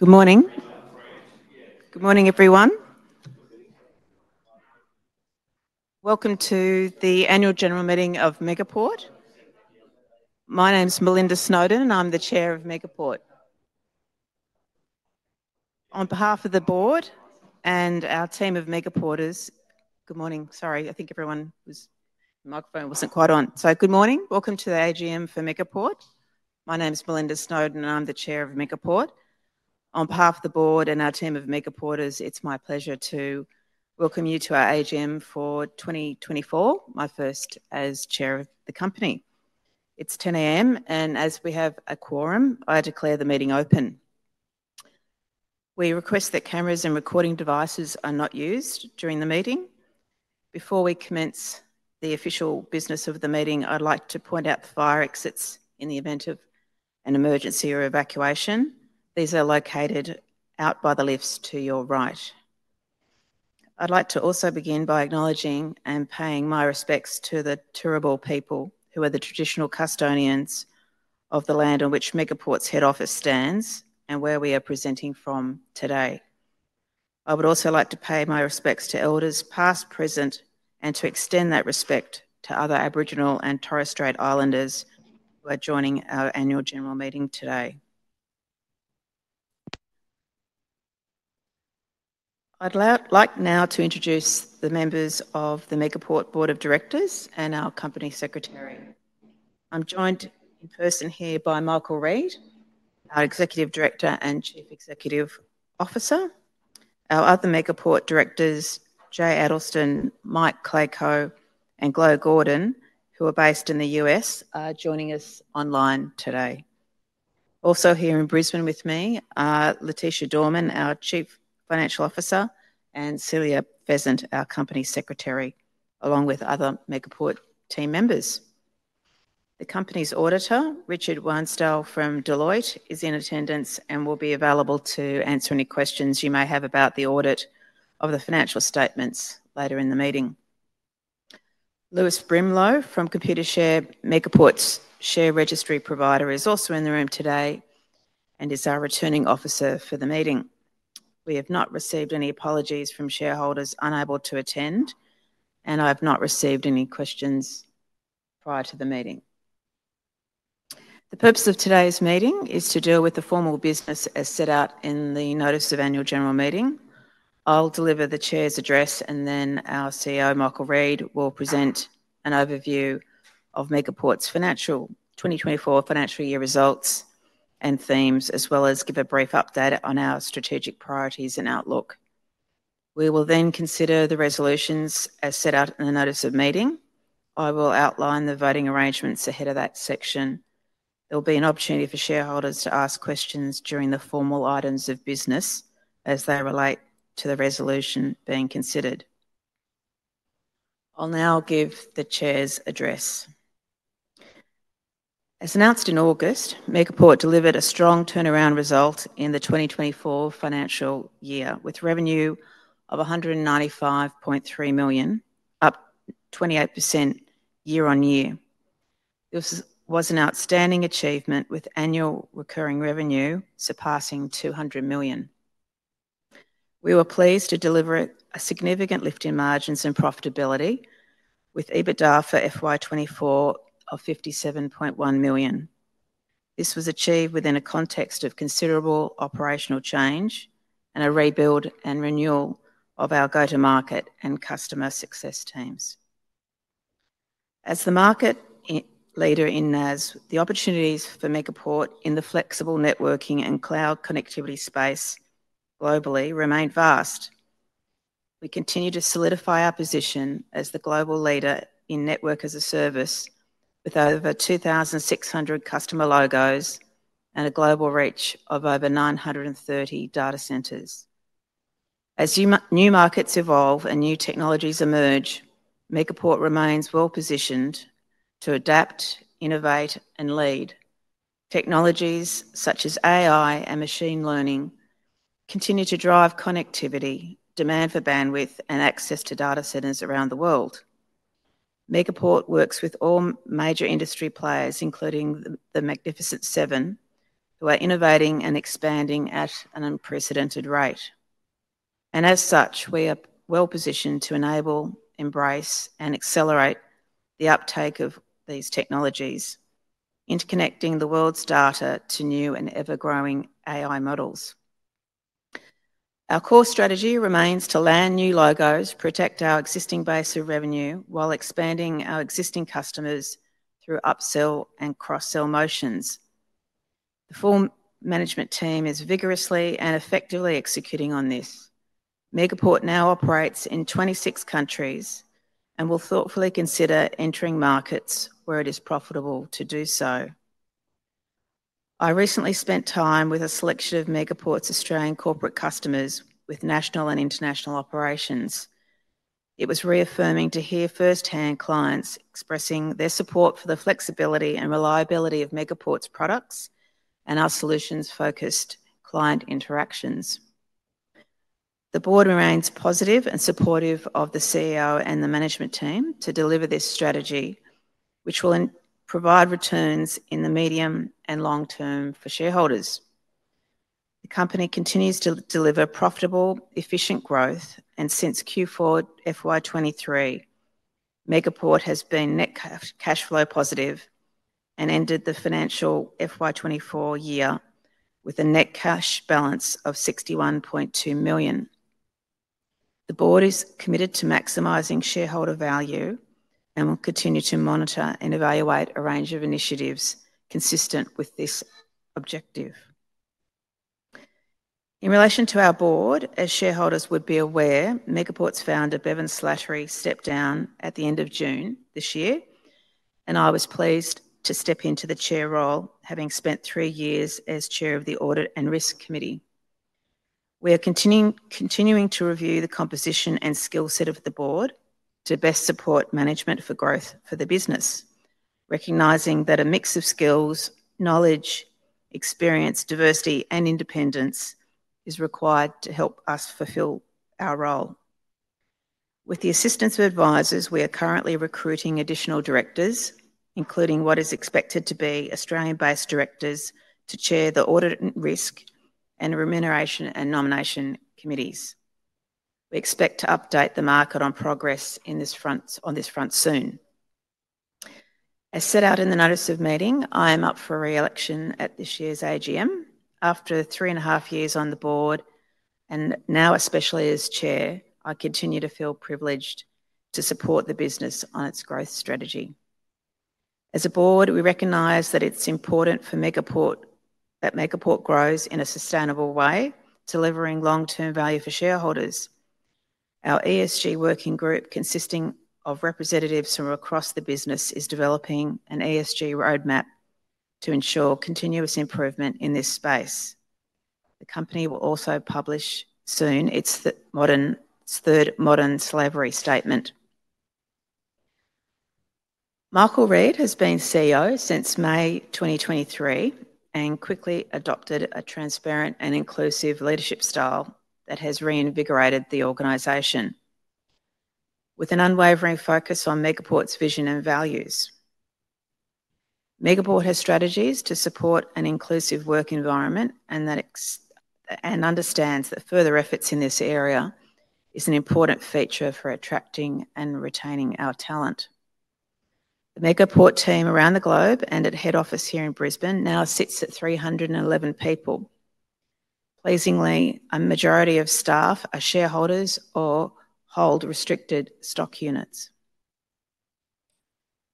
Good morning. Good morning, everyone. Welcome to the Annual General Meeting of Megaport. My name's Melinda Snowden, and I'm the Chair of Megaport. On behalf of the Board and our team of Megaporters, good morning. Sorry, I think everyone's microphone wasn't quite on. So, good morning. Welcome to the AGM for Megaport. My name's Melinda Snowden, and I'm the Chair of Megaport. On behalf of the Board and our team of Megaporters, it's my pleasure to welcome you to our AGM for 2024, my first as Chair of the Company. It's 10:00 A.M., and as we have a quorum, I declare the meeting open. We request that cameras and recording devices are not used during the meeting. Before we commence the official business of the meeting, I'd like to point out the fire exits in the event of an emergency or evacuation. These are located out by the lifts to your right. I'd like to also begin by acknowledging and paying my respects to the Turrbal people, who are the traditional custodians of the land on which Megaport's head office stands and where we are presenting from today. I would also like to pay my respects to Elders past, present, and to extend that respect to other Aboriginal and Torres Strait Islanders who are joining our Annual General Meeting today. I'd like now to introduce the members of the Megaport Board of Directors and our Company Secretary. I'm joined in person here by Michael Reid, our Executive Director and Chief Executive Officer. Our other Megaport Directors, Jay Adelson, Mike Klayko, and Glo Gordon, who are based in the U.S., are joining us online today. Also here in Brisbane with me are Leticia Dorman, our Chief Financial Officer, and Celia Pheasant, our Company Secretary, along with other Megaport team members. The Company's Auditor, Richard Wanstall from Deloitte, is in attendance and will be available to answer any questions you may have about the audit of the financial statements later in the meeting. Lewis Brimlow from Computershare, Megaport's share registry provider, is also in the room today and is our returning officer for the meeting. We have not received any apologies from shareholders unable to attend, and I have not received any questions prior to the meeting. The purpose of today's meeting is to deal with the formal business as set out in the Notice of Annual General Meeting. I'll deliver the Chair's address, and then our CEO, Michael Reid, will present an overview of Megaport's 2024 financial year results and themes, as well as give a brief update on our strategic priorities and outlook. We will then consider the resolutions as set out in the notice of meeting. I will outline the voting arrangements ahead of that section. There'll be an opportunity for shareholders to ask questions during the formal items of business as they relate to the resolution being considered. I'll now give the Chair's address. As announced in August, Megaport delivered a strong turnaround result in the 2024 financial year with revenue of 195.3 million, up 28% year on year. This was an outstanding achievement, with annual recurring revenue surpassing 200 million. We were pleased to deliver a significant lift in margins and profitability with EBITDA for FY 2024 of 57.1 million. This was achieved within a context of considerable operational change and a rebuild and renewal of our go-to-market and customer success teams. As the market leader in NaaS, the opportunities for Megaport in the flexible networking and cloud connectivity space globally remain vast. We continue to solidify our position as the global leader in Network as a Service with over 2,600 customer logos and a global reach of over 930 data centers. As new markets evolve and new technologies emerge, Megaport remains well-positioned to adapt, innovate, and lead. Technologies such as AI and machine learning continue to drive connectivity, demand for bandwidth, and access to data centers around the world. Megaport works with all major industry players, including the Magnificent Seven, who are innovating and expanding at an unprecedented rate. As such, we are well-positioned to enable, embrace, and accelerate the uptake of these technologies, interconnecting the world's data to new and ever-growing AI models. Our core strategy remains to land new logos, protect our existing base of revenue while expanding our existing customers through upsell and cross-sell motions. The full management team is vigorously and effectively executing on this. Megaport now operates in 26 countries and will thoughtfully consider entering markets where it is profitable to do so. I recently spent time with a selection of Megaport's Australian corporate customers with national and international operations. It was reaffirming to hear firsthand clients expressing their support for the flexibility and reliability of Megaport's products and our solutions-focused client interactions. The Board remains positive and supportive of the CEO and the management team to deliver this strategy, which will provide returns in the medium and long term for shareholders. The Company continues to deliver profitable, efficient growth, and since Q4 FY 2023, Megaport has been net cash flow positive and ended the financial FY 2024 year with a net cash balance of $61.2 million. The Board is committed to maximizing shareholder value and will continue to monitor and evaluate a range of initiatives consistent with this objective. In relation to our Board, as shareholders would be aware, Megaport's founder, Bevan Slattery, stepped down at the end of June this year, and I was pleased to step into the Chair role, having spent three years as Chair of the Audit and Risk Committee. We are continuing to review the composition and skill set of the Board to best support management for growth for the business, recognizing that a mix of skills, knowledge, experience, diversity, and independence is required to help us fulfill our role. With the assistance of advisors, we are currently recruiting additional directors, including what is expected to be Australian-based directors to chair the Audit and Risk and Remuneration and Nomination Committees. We expect to update the market on progress on this front soon. As set out in the notice of meeting, I am up for re-election at this year's AGM. After three and a half years on the Board and now especially as Chair, I continue to feel privileged to support the business on its growth strategy. As a Board, we recognize that it's important for Megaport that Megaport grows in a sustainable way, delivering long-term value for shareholders. Our ESG working group, consisting of representatives from across the business, is developing an ESG roadmap to ensure continuous improvement in this space. The Company will also publish soon its third Modern Slavery Statement. Michael Reid has been CEO since May 2023 and quickly adopted a transparent and inclusive leadership style that has reinvigorated the organization, with an unwavering focus on Megaport's vision and values. Megaport has strategies to support an inclusive work environment and understands that further efforts in this area are an important feature for attracting and retaining our talent. The Megaport team around the globe and at head office here in Brisbane now sits at 311 people. Pleasingly, a majority of staff are shareholders or hold restricted stock units.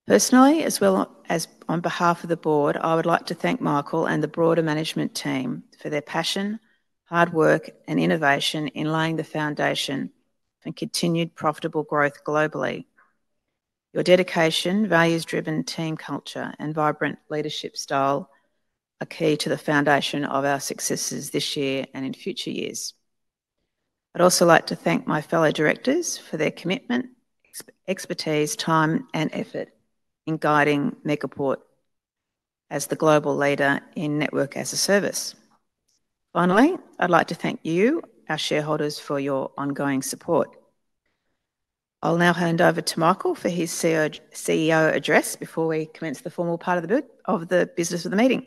Personally, as well as on behalf of the Board, I would like to thank Michael and the broader management team for their passion, hard work, and innovation in laying the foundation for continued profitable growth globally. Your dedication, values-driven team culture, and vibrant leadership style are key to the foundation of our successes this year and in future years. I'd also like to thank my fellow directors for their commitment, expertise, time, and effort in guiding Megaport as the global leader in Network as a Service. Finally, I'd like to thank you, our shareholders, for your ongoing support. I'll now hand over to Michael for his CEO address before we commence the formal part of the business of the meeting.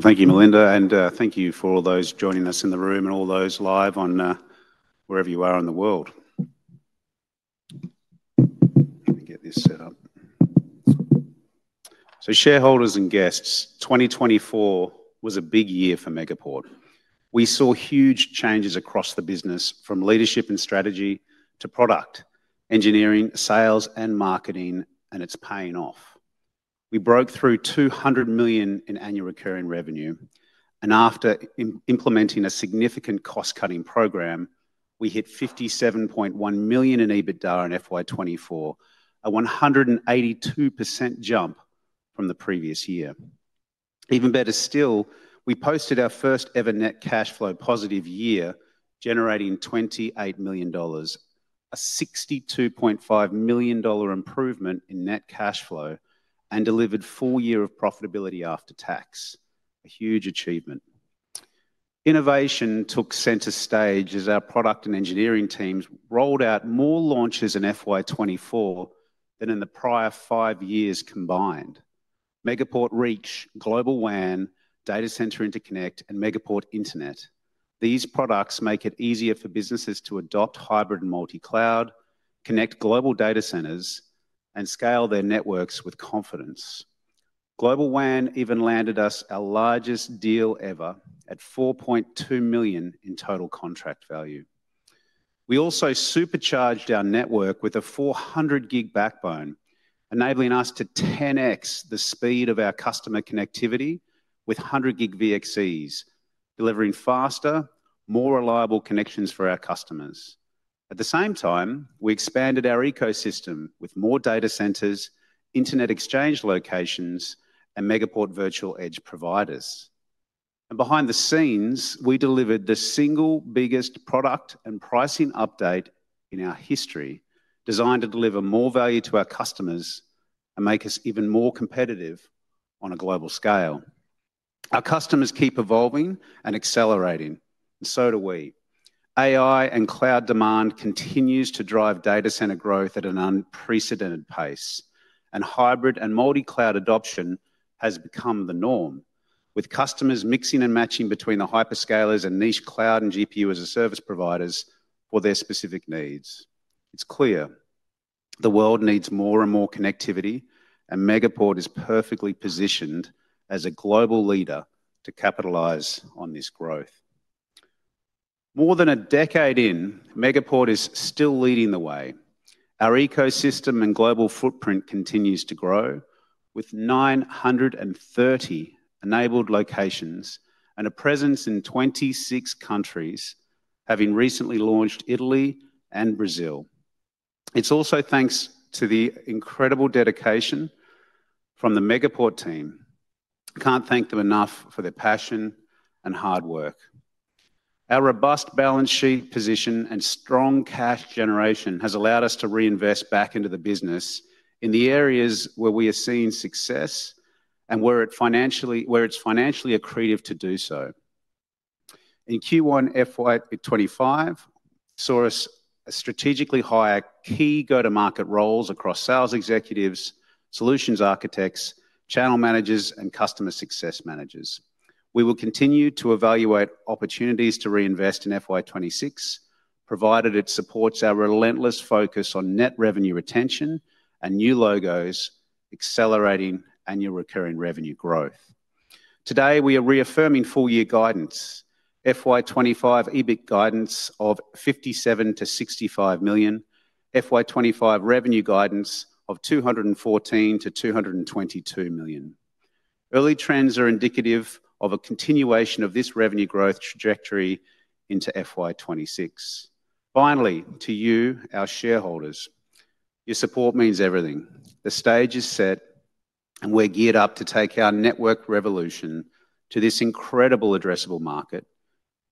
Thank you, Melinda, and thank you for all those joining us in the room and all those live wherever you are in the world. Let me get this set up. Shareholders and guests, 2024 was a big year for Megaport. We saw huge changes across the business, from leadership and strategy to product, engineering, sales, and marketing, and it's paying off. We broke through 200 million in annual recurring revenue, and after implementing a significant cost-cutting program, we hit 57.1 million in EBITDA in FY 2024, a 182% jump from the previous year. Even better still, we posted our first-ever net cash flow positive year, generating 28 million dollars, a 62.5 million dollar improvement in net cash flow, and delivered four years of profitability after tax. A huge achievement. Innovation took center stage as our product and engineering teams rolled out more launches in FY 2024 than in the prior five years combined. Megaport released Global WAN, Data Center Interconnect, and Megaport Internet. These products make it easier for businesses to adopt hybrid and multi-cloud, connect global data centers, and scale their networks with confidence. Global WAN even landed us our largest deal ever at $4.2 million in total contract value. We also supercharged our network with a 400-gig backbone, enabling us to 10x the speed of our customer connectivity with 100-gig VXCs, delivering faster, more reliable connections for our customers. At the same time, we expanded our ecosystem with more data centers, internet exchange locations, and Megaport Virtual Edge providers. Behind the scenes, we delivered the single biggest product and pricing update in our history, designed to deliver more value to our customers and make us even more competitive on a global scale. Our customers keep evolving and accelerating, and so do we. AI and cloud demand continues to drive data center growth at an unprecedented pace, and hybrid and multi-cloud adoption has become the norm, with customers mixing and matching between the hyperscalers and niche cloud and GPU-as-a-Service providers for their specific needs. It's clear the world needs more and more connectivity, and Megaport is perfectly positioned as a global leader to capitalize on this growth. More than a decade in, Megaport is still leading the way. Our ecosystem and global footprint continues to grow, with 930 enabled locations and a presence in 26 countries, having recently launched Italy and Brazil. It's also thanks to the incredible dedication from the Megaport team. Can't thank them enough for their passion and hard work. Our robust balance sheet position and strong cash generation has allowed us to reinvest back into the business in the areas where we have seen success and where it's financially accretive to do so. In Q1 FY 2025, saw us strategically hire key go-to-market roles across sales executives, solutions architects, channel managers, and customer success managers. We will continue to evaluate opportunities to reinvest in FY 2026, provided it supports our relentless focus on net revenue retention and new logos, accelerating annual recurring revenue growth. Today, we are reaffirming four-year guidance, FY 2025 EBIT guidance of $57 million-$65 million, FY 2025 revenue guidance of $214 million-$222 million. Early trends are indicative of a continuation of this revenue growth trajectory into FY 2026. Finally, to you, our shareholders, your support means everything. The stage is set, and we're geared up to take our network revolution to this incredible addressable market,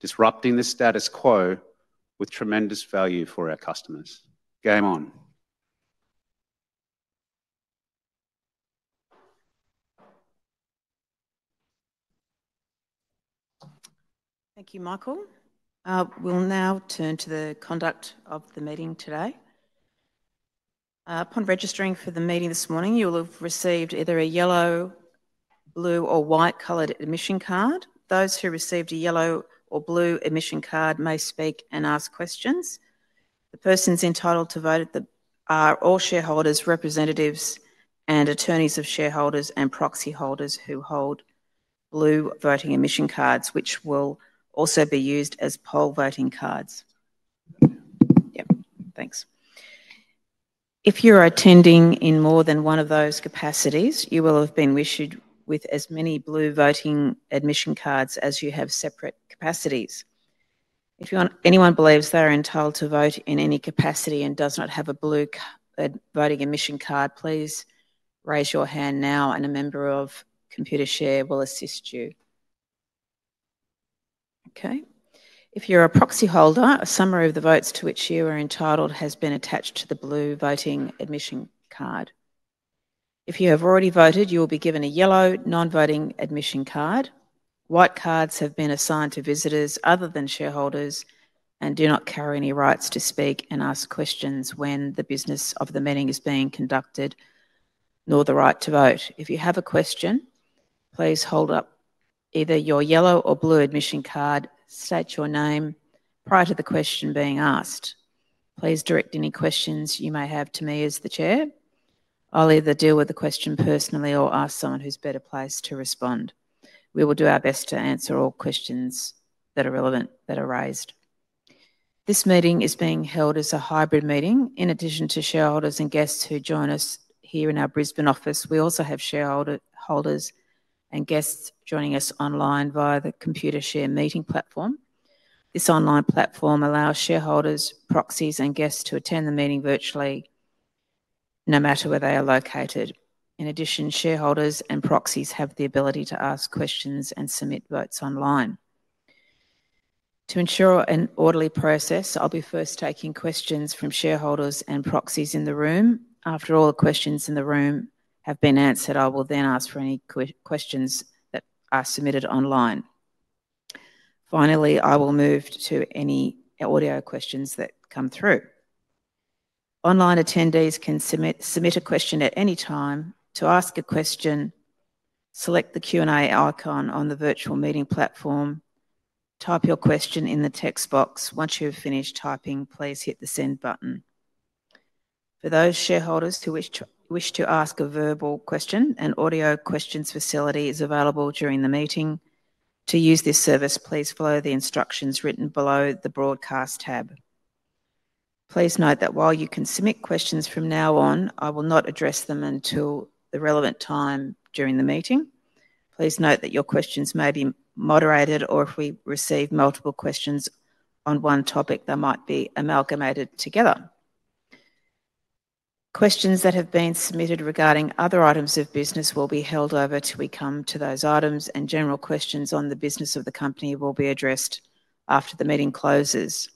disrupting the status quo with tremendous value for our customers. Game on. Thank you, Michael. We'll now turn to the conduct of the meeting today. Upon registering for the meeting this morning, you will have received either a yellow, blue, or white-colored admission card. Those who received a yellow or blue admission card may speak and ask questions. The persons entitled to vote are all shareholders, representatives, and attorneys of shareholders and proxy holders who hold blue voting admission cards, which will also be used as poll voting cards. Yep, thanks. If you are attending in more than one of those capacities, you will have been issued with as many blue voting admission cards as you have separate capacities. If anyone believes they are entitled to vote in any capacity and does not have a blue voting admission card, please raise your hand now, and a member of Computershare will assist you. Okay. If you're a proxy holder, a summary of the votes to which you are entitled has been attached to the blue voting admission card. If you have already voted, you will be given a yellow non-voting admission card. White cards have been assigned to visitors other than shareholders and do not carry any rights to speak and ask questions when the business of the meeting is being conducted, nor the right to vote. If you have a question, please hold up either your yellow or blue admission card, state your name prior to the question being asked. Please direct any questions you may have to me as the Chair. I'll either deal with the question personally or ask someone who's better placed to respond. We will do our best to answer all questions that are relevant, that are raised. This meeting is being held as a hybrid meeting. In addition to shareholders and guests who join us here in our Brisbane office, we also have shareholders and guests joining us online via the Computershare meeting platform. This online platform allows shareholders, proxies, and guests to attend the meeting virtually no matter where they are located. In addition, shareholders and proxies have the ability to ask questions and submit votes online. To ensure an orderly process, I'll be first taking questions from shareholders and proxies in the room. After all the questions in the room have been answered, I will then ask for any questions that are submitted online. Finally, I will move to any audio questions that come through. Online attendees can submit a question at any time. To ask a question, select the Q&A icon on the virtual meeting platform. Type your question in the text box. Once you have finished typing, please hit the send button. For those shareholders who wish to ask a verbal question, an audio questions facility is available during the meeting. To use this service, please follow the instructions written below the broadcast tab. Please note that while you can submit questions from now on, I will not address them until the relevant time during the meeting. Please note that your questions may be moderated, or if we receive multiple questions on one topic, they might be amalgamated together. Questions that have been submitted regarding other items of business will be held over till we come to those items, and general questions on the business of the company will be addressed after the meeting closes.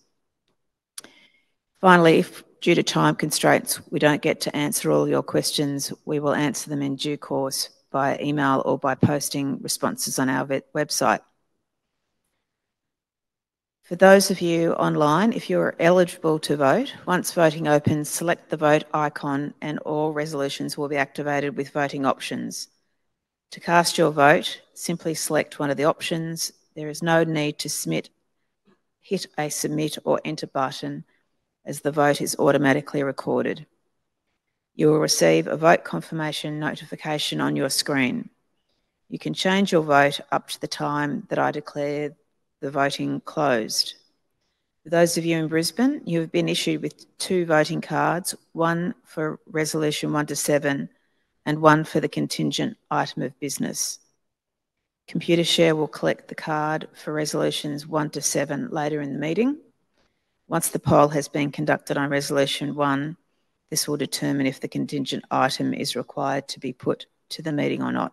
Finally, due to time constraints, we don't get to answer all your questions. We will answer them in due course via email or by posting responses on our website. For those of you online, if you are eligible to vote, once voting opens, select the vote icon and all resolutions will be activated with voting options. To cast your vote, simply select one of the options. There is no need to hit a submit or enter button as the vote is automatically recorded. You will receive a vote confirmation notification on your screen. You can change your vote up to the time that I declare the voting closed. For those of you in Brisbane, you have been issued with two voting cards, one for resolution one to seven and one for the contingent item of business. Computershare will collect the card for resolutions one to seven later in the meeting. Once the poll has been conducted on resolution one, this will determine if the contingent item is required to be put to the meeting or not.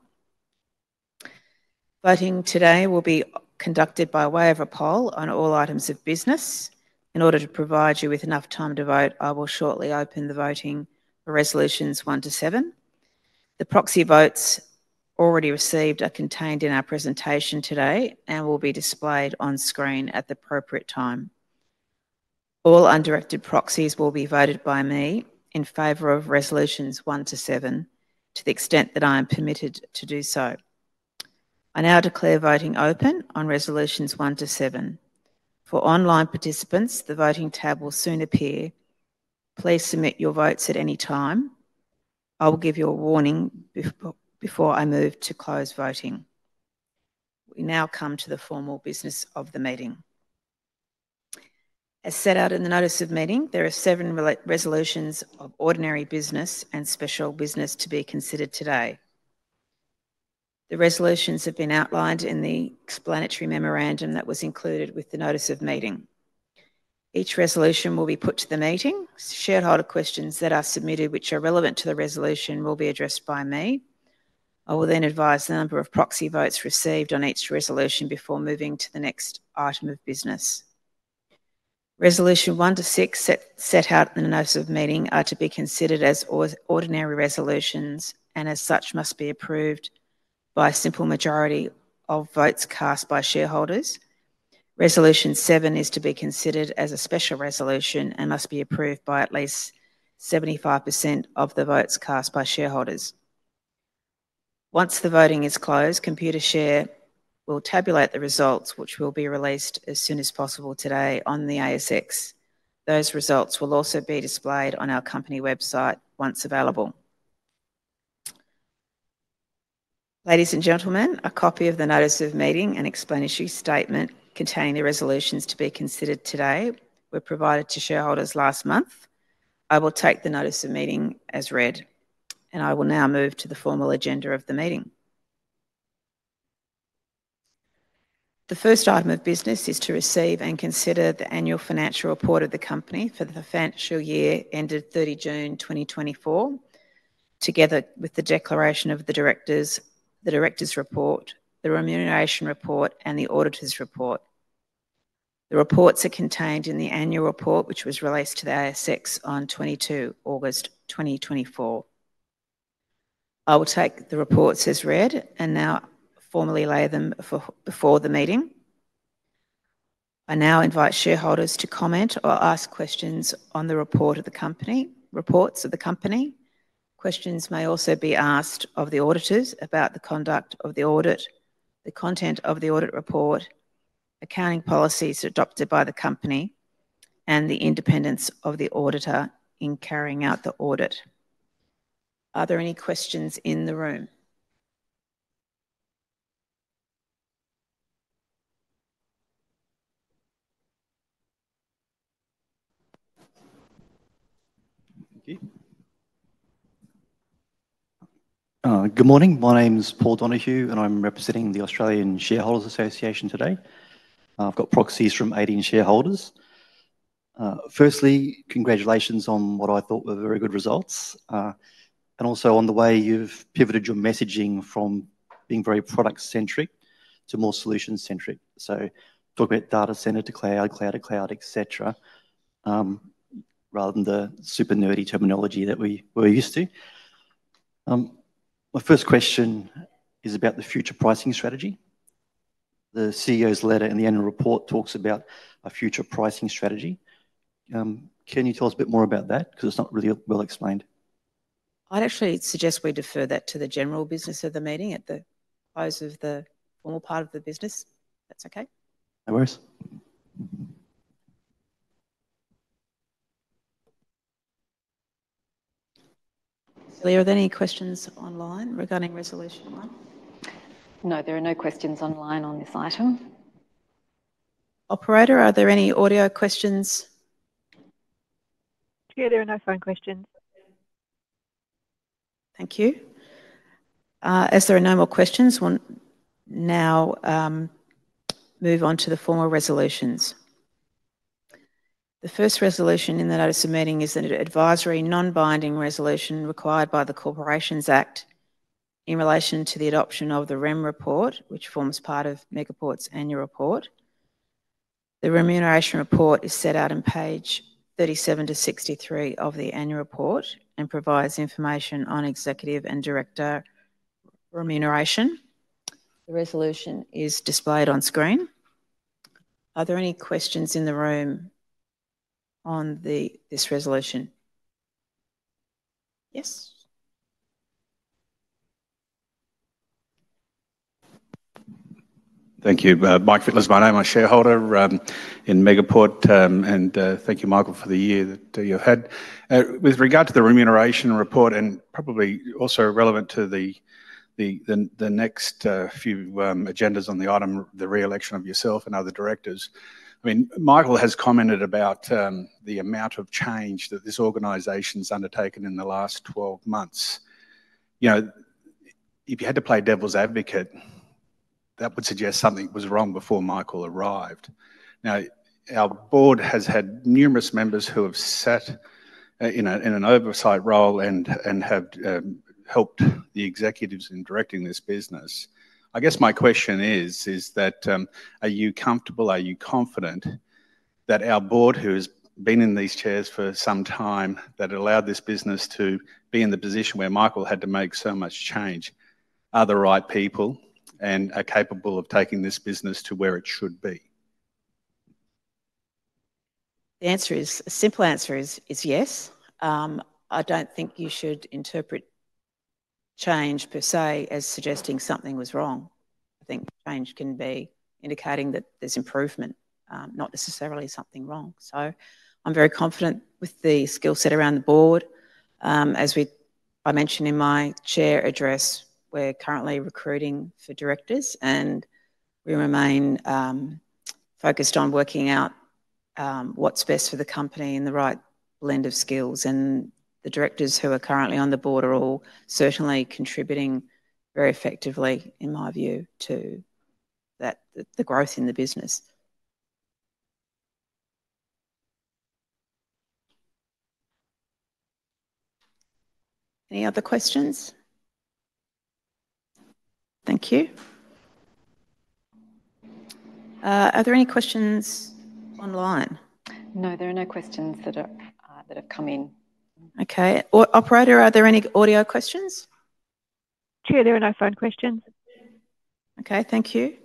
Voting today will be conducted by way of a poll on all items of business. In order to provide you with enough time to vote, I will shortly open the voting for resolutions one to seven. The proxy votes already received are contained in our presentation today and will be displayed on screen at the appropriate time. All undirected proxies will be voted by me in favor of resolutions one to seven to the extent that I am permitted to do so. I now declare voting open on resolutions one to seven. For online participants, the voting tab will soon appear. Please submit your votes at any time. I will give you a warning before I move to close voting. We now come to the formal business of the meeting. As set out in the notice of meeting, there are seven resolutions of ordinary business and special business to be considered today. The resolutions have been outlined in the explanatory memorandum that was included with the notice of meeting. Each resolution will be put to the meeting. Shareholder questions that are submitted which are relevant to the resolution will be addressed by me. I will then advise the number of proxy votes received on each resolution before moving to the next item of business. Resolution one to six set out in the notice of meeting are to be considered as ordinary resolutions and as such must be approved by a simple majority of votes cast by shareholders. Resolution seven is to be considered as a special resolution and must be approved by at least 75% of the votes cast by shareholders. Once the voting is closed, Computershare will tabulate the results, which will be released as soon as possible today on the ASX. Those results will also be displayed on our company website once available. Ladies and gentlemen, a copy of the notice of meeting and explanatory statement containing the resolutions to be considered today were provided to shareholders last month. I will take the notice of meeting as read, and I will now move to the formal agenda of the meeting. The first item of business is to receive and consider the annual financial report of the company for the financial year ended 30 June 2024, together with the declaration of the directors, the Directors' Report, the Remuneration Report, and the Auditor's Report. The reports are contained in the Annual Report, which was released to the ASX on 22 August 2024. I will take the reports as read and now formally lay them before the meeting. I now invite shareholders to comment or ask questions on the report of the company, reports of the company. Questions may also be asked of the auditors about the conduct of the audit, the content of the audit report, accounting policies adopted by the company, and the independence of the auditor in carrying out the audit. Are there any questions in the room? Thank you. Good morning. My name's Paul Donohue, and I'm representing the Australian Shareholders' Association today. I've got proxies from 18 shareholders. Firstly, congratulations on what I thought were very good results and also on the way you've pivoted your messaging from being very product-centric to more solution-centric, so talk about data center to cloud, cloud to cloud, etc., rather than the super nerdy terminology that we're used to. My first question is about the future pricing strategy. The CEO's letter in the Annual Report talks about a future pricing strategy. Can you tell us a bit more about that because it's not really well explained? I'd actually suggest we defer that to the general business of the meeting at the close of the formal part of the business. That's okay. No worries. Celia, are there any questions online regarding resolution one? No, there are no questions online on this item. Operator, are there any audio questions? Yeah, there are no phone questions. Thank you. As there are no more questions, we'll now move on to the formal resolutions. The first resolution in the notice of meeting is an advisory non-binding resolution required by the Corporations Act in relation to the adoption of the Rem Report, which forms part of Megaport's Annual Report. The Remuneration Report is set out on pages 37-63 of the Annual Report and provides information on executive and director remuneration. The resolution is displayed on screen. Are there any questions in the room on this resolution? Yes. Thank you. Mike Fitness, my name. I'm a shareholder in Megaport, and thank you, Michael, for the year that you've had. With regard to the Remuneration Report and probably also relevant to the next few agendas on the item, the re-election of yourself and other directors, I mean, Michael has commented about the amount of change that this organization's undertaken in the last 12 months. If you had to play devil's advocate, that would suggest something was wrong before Michael arrived. Now, our Board has had numerous members who have sat in an oversight role and have helped the executives in directing this business. I guess my question is, is that are you comfortable, are you confident that our Board, who has been in these chairs for some time, that allowed this business to be in the position where Michael had to make so much change, are the right people and are capable of taking this business to where it should be? The answer is, a simple answer is yes. I don't think you should interpret change per se as suggesting something was wrong. I think change can be indicating that there's improvement, not necessarily something wrong. So I'm very confident with the skill set around the Board. As I mentioned in my Chair's address, we're currently recruiting for directors, and we remain focused on working out what's best for the company and the right blend of skills. And the directors who are currently on the Board are all certainly contributing very effectively, in my view, to the growth in the business. Any other questions? Thank you. Are there any questions online? No, there are no questions that have come in. Okay. Operator, are there any audio questions? Chair, there are no phone questions. Okay, thank you.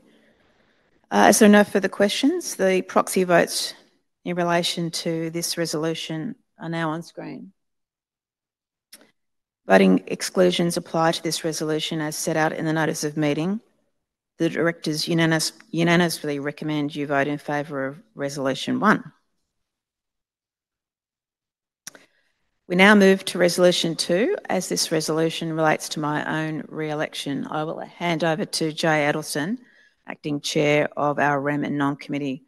So no further questions. The proxy votes in relation to this resolution are now on screen. Voting exclusions apply to this resolution as set out in the notice of meeting. The directors unanimously recommend you vote in favor of resolution one. We now move to resolution two. As this resolution relates to my own re-election, I will hand over to Jay Adelson, acting Chair of our Remuneration and Nomination Committee,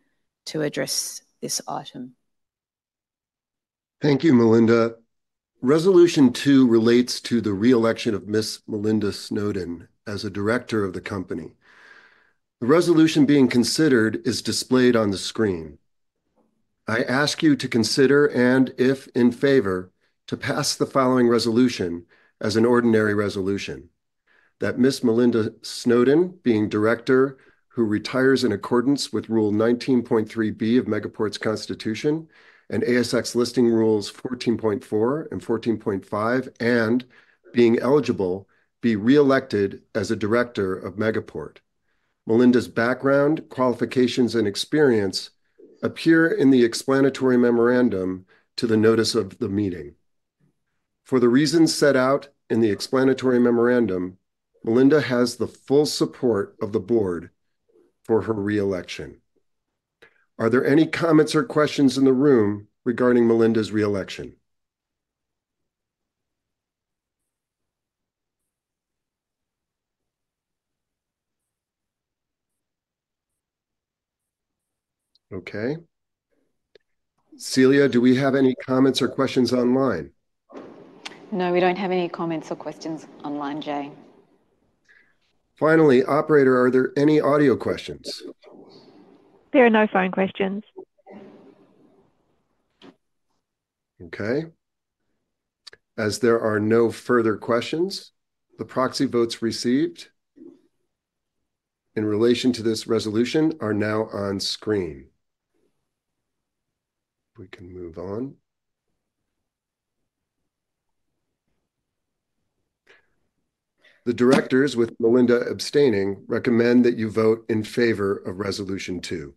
to address this item. Thank you, Melinda. Resolution two relates to the re-election of Miss Melinda Snowden as a director of the company. The resolution being considered is displayed on the screen. I ask you to consider and, if in favor, to pass the following resolution as an ordinary resolution: that Miss Melinda Snowden, being director, who retires in accordance with Rule 19.3(b) of Megaport's constitution and ASX listing rules 14.4 and 14.5, and being eligible, be re-elected as a director of Megaport. Melinda's background, qualifications, and experience appear in the explanatory memorandum to the notice of the meeting. For the reasons set out in the explanatory memorandum, Melinda has the full support of the Board for her re-election. Are there any comments or questions in the room regarding Melinda's re-election? Okay. Celia, do we have any comments or questions online? No, we don't have any comments or questions online, Jay. Finally, Operator, are there any audio questions? There are no phone questions. Okay. As there are no further questions, the proxy votes received in relation to this resolution are now on screen. We can move on. The directors, with Melinda abstaining, recommend that you vote in favor of resolution two.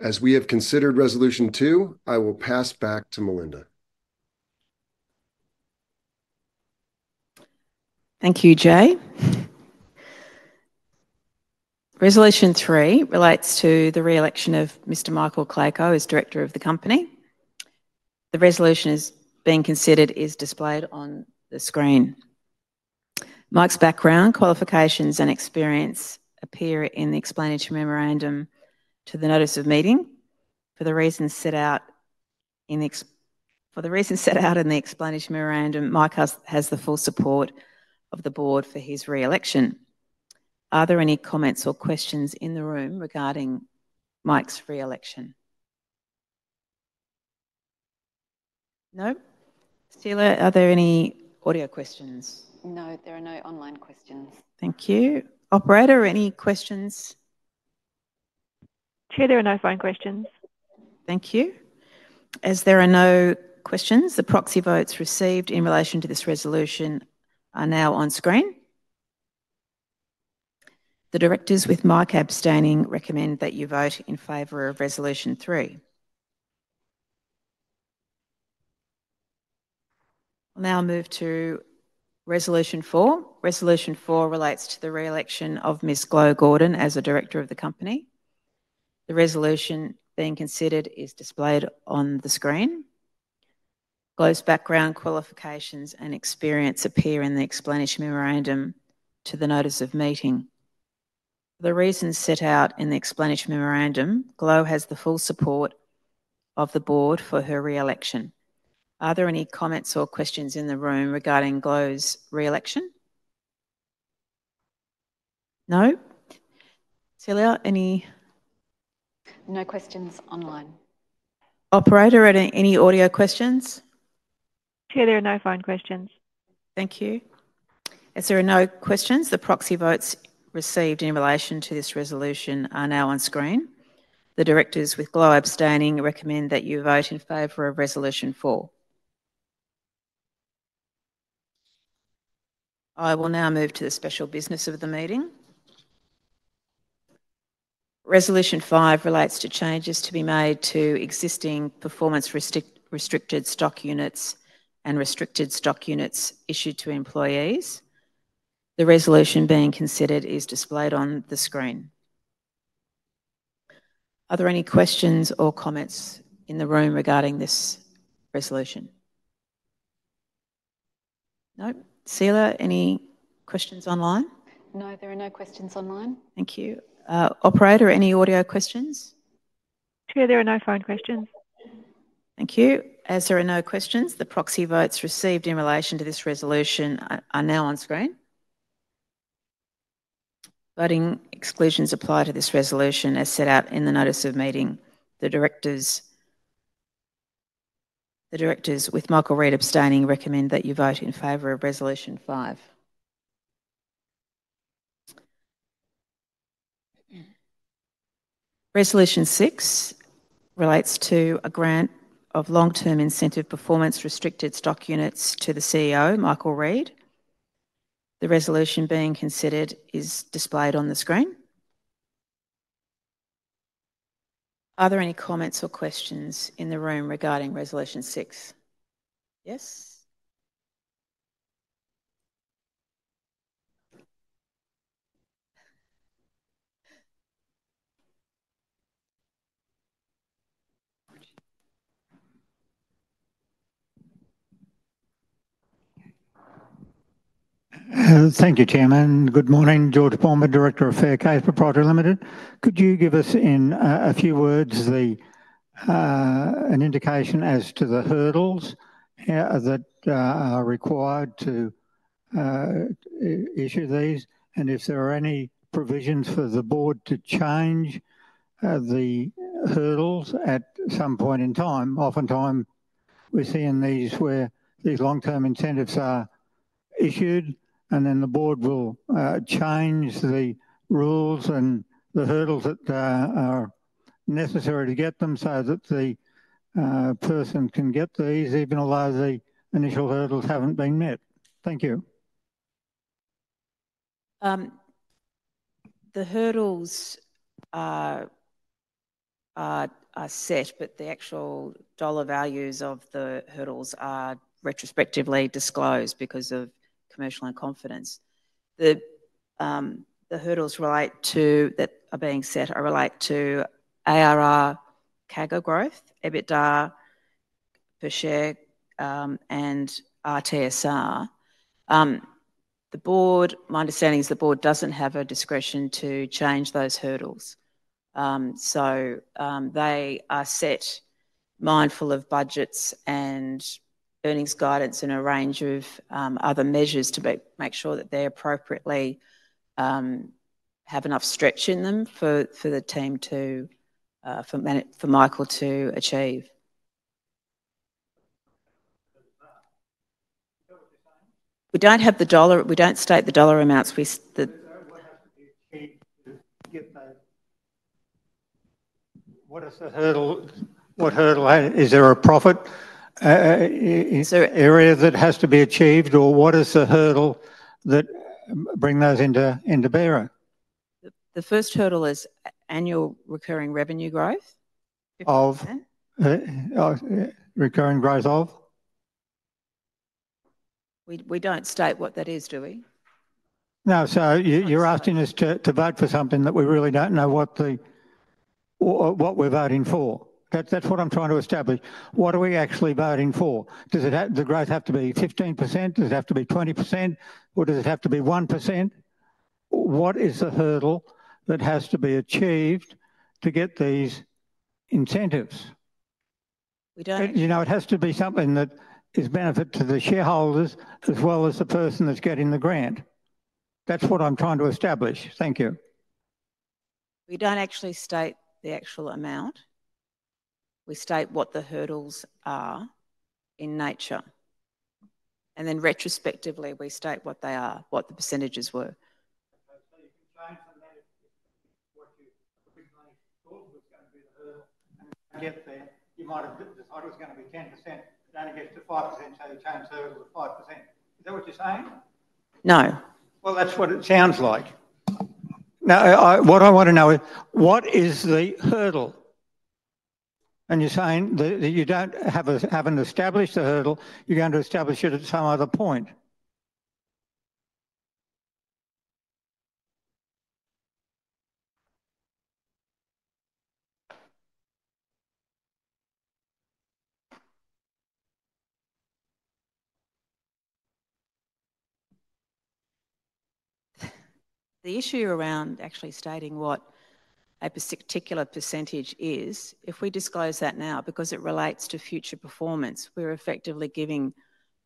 As we have considered resolution two, I will pass back to Melinda. Thank you, Jay. Resolution three relates to the re-election of Mr. Michael Klayko as director of the company. The resolution being considered is displayed on the screen. Mike's background, qualifications, and experience appear in the explanatory memorandum to the notice of meeting. For the reasons set out in the explanatory memorandum, Mike has the full support of the Board for his re-election. Are there any comments or questions in the room regarding Mike's re-election? No? Celia, are there any audio questions? No, there are no online questions. Thank you. Operator, any questions? Chair, there are no phone questions. Thank you. As there are no questions, the proxy votes received in relation to this resolution are now on screen. The directors, with Mike abstaining, recommend that you vote in favor of resolution three. We'll now move to resolution four. Resolution four relates to the re-election of Miss Glo Gordon as a director of the company. The resolution being considered is displayed on the screen. Glo's background, qualifications, and experience appear in the explanatory memorandum to the notice of meeting. For the reasons set out in the explanatory memorandum, Glo has the full support of the Board for her re-election. Are there any comments or questions in the room regarding Glo's re-election? No? Celia, any? No questions online. Operator, any audio questions? Chair, there are no phone questions. Thank you. As there are no questions, the proxy votes received in relation to this resolution are now on screen. The directors, with Glo abstaining, recommend that you vote in favor of resolution four. I will now move to the special business of the meeting. Resolution five relates to changes to be made to existing performance-restricted stock units and restricted stock units issued to employees. The resolution being considered is displayed on the screen. Are there any questions or comments in the room regarding this resolution? No? Celia, any questions online? No, there are no questions online. Thank you. Operator, any audio questions? Chair, there are no phone questions. Thank you. As there are no questions, the proxy votes received in relation to this resolution are now on screen. Voting exclusions apply to this resolution as set out in the notice of meeting. The directors, with Michael Reid abstaining, recommend that you vote in favor of resolution five. Resolution six relates to a grant of long-term incentive performance-restricted stock units to the CEO, Michael Reid. The resolution being considered is displayed on the screen. Are there any comments or questions in the room regarding resolution six? Yes? Thank you, Chairman. Good morning. George Palmer, Director of Faircase Proprietary Limited. Could you give us in a few words an indication as to the hurdles that are required to issue these and if there are any provisions for the Board to change the hurdles at some point in time? Oftentimes, we're seeing these where these long-term incentives are issued, and then the Board will change the rules and the hurdles that are necessary to get them so that the person can get these, even though the initial hurdles haven't been met. Thank you. The hurdles are set, but the actual dollar values of the hurdles are retrospectively disclosed because of commercial in confidence. The hurdles that are being set relate to ARR, CAGR growth, EBITDA per share, and RTSR. My understanding is the Board doesn't have a discretion to change those hurdles. So they are set, mindful of budgets and earnings guidance and a range of other measures to make sure that they appropriately have enough stretch in them for the team for Michael to achieve. We don't have the dollar. We don't state the dollar amounts. What has to be achieved to get those? What is the hurdle? Is there a profit area that has to be achieved, or what is the hurdle that brings those into play? The first hurdle is annual recurring revenue growth. Of recurring growth of? We don't state what that is, do we? No, so you're asking us to vote for something that we really don't know what we're voting for. That's what I'm trying to establish. What are we actually voting for? Does the growth have to be 15%? Does it have to be 20%? Or does it have to be 1%? What is the hurdle that has to be achieved to get these incentives? It has to be something that is a benefit to the shareholders as well as the person that's getting the grant. That's what I'm trying to establish. Thank you. We don't actually state the actual amount. We state what the hurdles are in nature, and then retrospectively, we state what they are, what the percentages were. You might have decided it was going to be 10%, but then it gets to 5%, so you change the hurdle to 5%. Is that what you're saying? No. Well, that's what it sounds like. Now, what I want to know is, what is the hurdle? And you're saying that you don't have an established hurdle. You're going to establish it at some other point. The issue around actually stating what a particular percentage is, if we disclose that now because it relates to future performance, we're effectively giving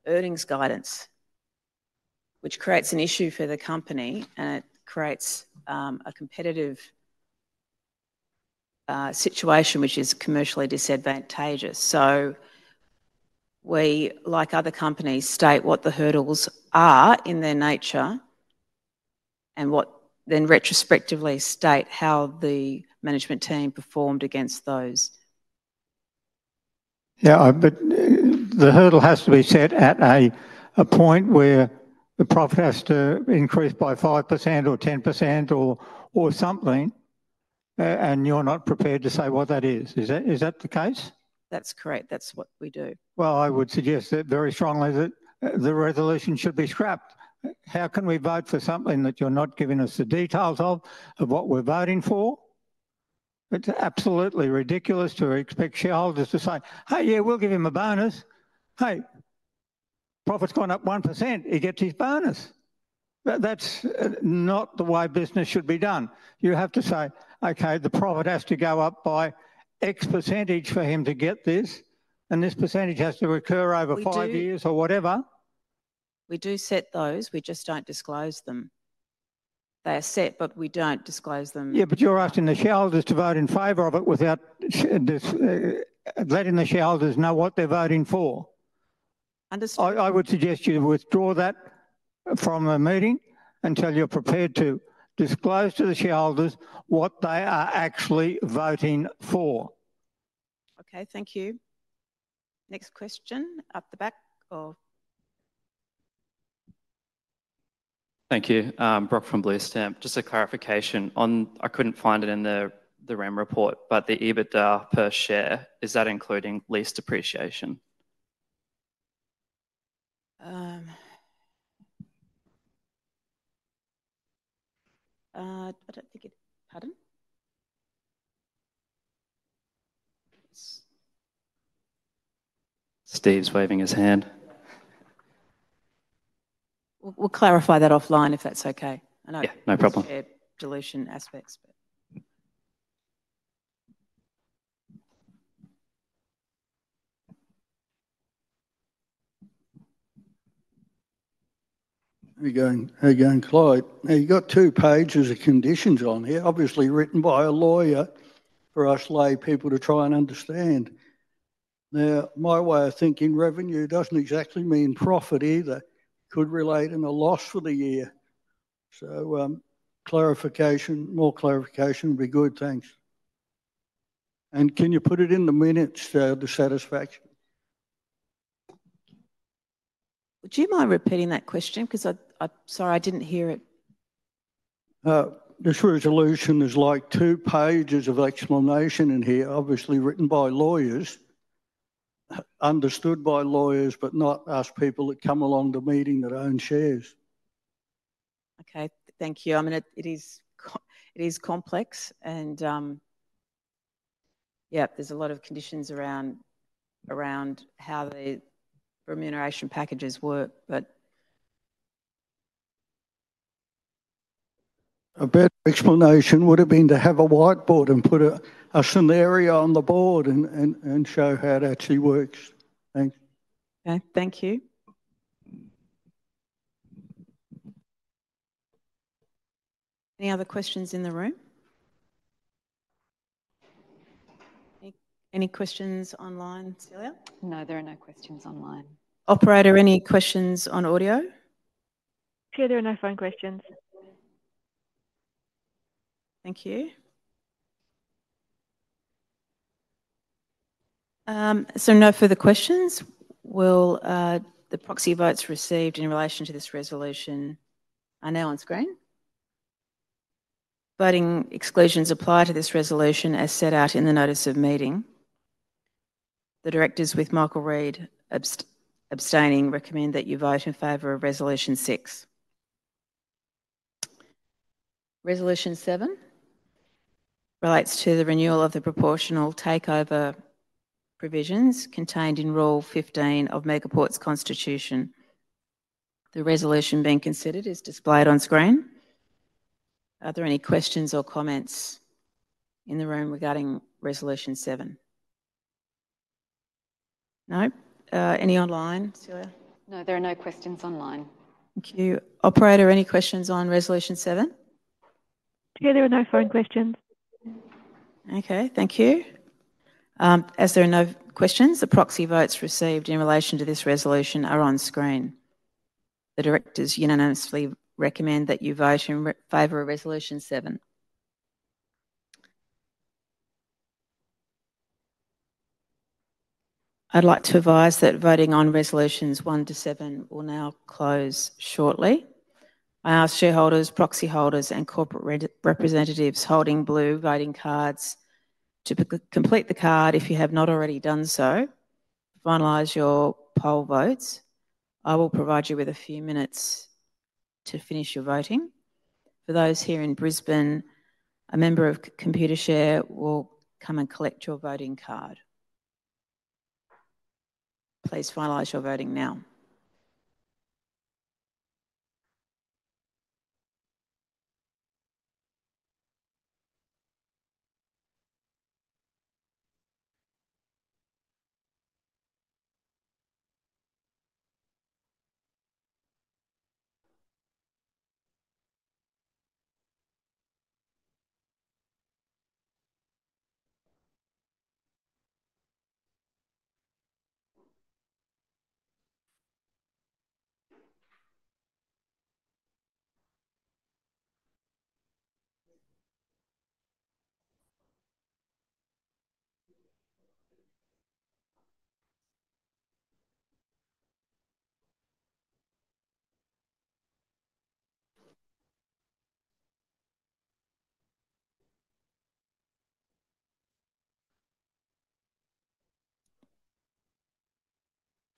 earnings guidance, which creates an issue for the company, and it creates a competitive situation which is commercially disadvantageous. So we, like other companies, state what the hurdles are in their nature and then retrospectively state how the management team performed against those. Yeah, but the hurdle has to be set at a point where the profit has to increase by 5% or 10% or something, and you're not prepared to say what that is. Is that the case? That's correct. That's what we do. I would suggest that very strongly that the resolution should be scrapped. How can we vote for something that you're not giving us the details of, of what we're voting for? It's absolutely ridiculous to expect shareholders to say, "Hey, yeah, we'll give him a bonus. Hey, profit's gone up 1%. He gets his bonus." That's not the way business should be done. You have to say, "Okay, the profit has to go up by x percentage for him to get this, and this percentage has to recur over five years or whatever. We do set those. We just don't disclose them. They are set, but we don't disclose them. Yeah, but you're asking the shareholders to vote in favor of it without letting the shareholders know what they're voting for. I would suggest you withdraw that from the meeting until you're prepared to disclose to the shareholders what they are actually voting for. Okay, thank you. Next question up the back or? Thank you. Brock from Blue Stamp. Just a clarification. I couldn't find it in the Remuneration Report, but the EBITDA per share, is that including lease depreciation? I don't think it, pardon? Steve's waving his hand. We'll clarify that offline if that's okay. Yeah, no problem. I know it's shared dilution aspects, but. How are you going? How are you going, Clayco? Now, you've got two pages of conditions on here, obviously written by a lawyer for us laypeople to try and understand. Now, my way of thinking revenue doesn't exactly mean profit either. It could relate in a loss for the year. So more clarification would be good, thanks. And can you put it in the minutes? The satisfaction. Would you mind repeating that question? Because I'm sorry, I didn't hear it. This resolution is like two pages of explanation in here, obviously written by lawyers, understood by lawyers, but not us people that come along to meeting that own shares. Okay, thank you. I mean, it is complex, and yeah, there's a lot of conditions around how the remuneration packages work, but. A better explanation would have been to have a whiteboard and put a scenario on the board and show how it actually works. Thanks. Okay, thank you. Any other questions in the room? Any questions online, Celia? No, there are no questions online. Operator, any questions on audio? Chair, there are no phone questions. Thank you. So no further questions. The proxy votes received in relation to this resolution are now on screen. Voting exclusions apply to this resolution as set out in the notice of meeting. The directors, with Michael Reid abstaining, recommend that you vote in favor of resolution six. Resolution seven relates to the renewal of the proportional takeover provisions contained in Rule 15 of Megaport's constitution. The resolution being considered is displayed on screen. Are there any questions or comments in the room regarding resolution seven? No? Any online, Celia? No, there are no questions online. Thank you. Operator, any questions on resolution seven? Chair, there are no phone questions. Okay, thank you. As there are no questions, the proxy votes received in relation to this resolution are on screen. The directors unanimously recommend that you vote in favor of resolution seven. I'd like to advise that voting on resolutions one to seven will now close shortly. I ask shareholders, proxy holders, and corporate representatives holding blue voting cards to complete the card if you have not already done so, finalize your poll votes. I will provide you with a few minutes to finish your voting. For those here in Brisbane, a member of Computershare will come and collect your voting card. Please finalize your voting now.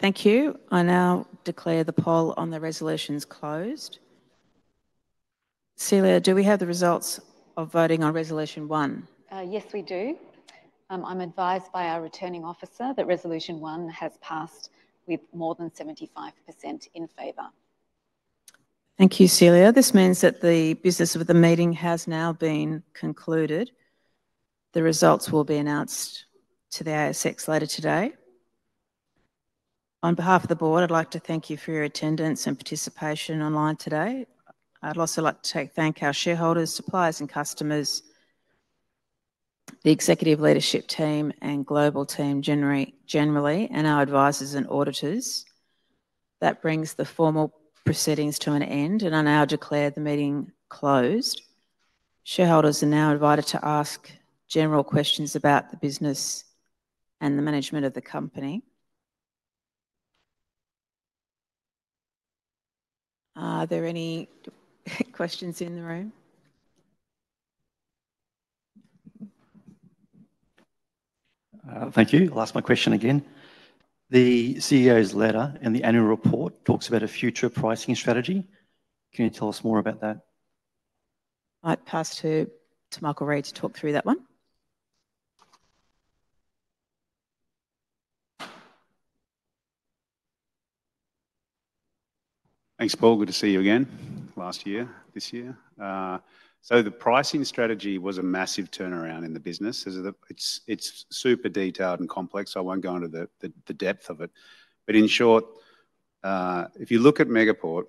Thank you. I now declare the poll on the resolutions closed. Celia, do we have the results of voting on resolution one? Yes, we do. I'm advised by our returning officer that resolution one has passed with more than 75% in favor. Thank you, Celia. This means that the business of the meeting has now been concluded. The results will be announced to the ASX later today. On behalf of the Board, I'd like to thank you for your attendance and participation online today. I'd also like to thank our shareholders, suppliers, and customers, the executive leadership team and global team generally, and our advisors and auditors. That brings the formal proceedings to an end and I now declare the meeting closed. Shareholders are now invited to ask general questions about the business and the management of the company. Are there any questions in the room? Thank you. I'll ask my question again. The CEO's letter and the Annual Report talks about a future pricing strategy. Can you tell us more about that? I'd pass to Michael Reid to talk through that one. Thanks, Paul. Good to see you again. Last year, this year, so the pricing strategy was a massive turnaround in the business. It's super detailed and complex. I won't go into the depth of it, but in short, if you look at Megaport,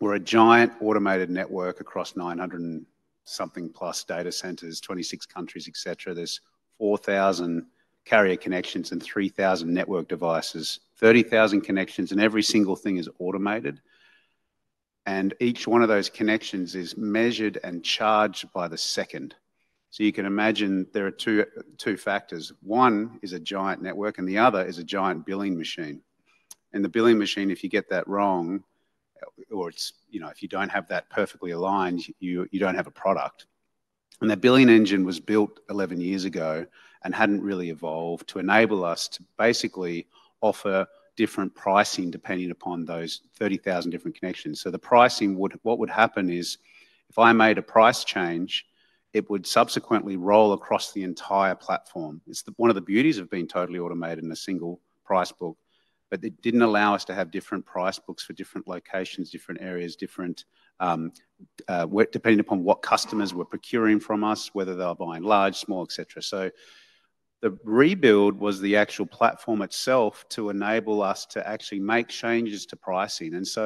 we're a giant automated network across 900 and something plus data centers, 26 countries, etc. There's 4,000 carrier connections and 3,000 network devices, 30,000 connections, and every single thing is automated, and each one of those connections is measured and charged by the second, so you can imagine there are two factors. One is a giant network, and the other is a giant billing machine, and the billing machine, if you get that wrong, or if you don't have that perfectly aligned, you don't have a product. That billing engine was built 11 years ago and hadn't really evolved to enable us to basically offer different pricing depending upon those 30,000 different connections. The pricing, what would happen is if I made a price change, it would subsequently roll across the entire platform. It's one of the beauties of being totally automated in a single price book, but it didn't allow us to have different price books for different locations, different areas, different depending upon what customers were procuring from us, whether they were buying large, small, etc. The rebuild was the actual platform itself to enable us to actually make changes to pricing. As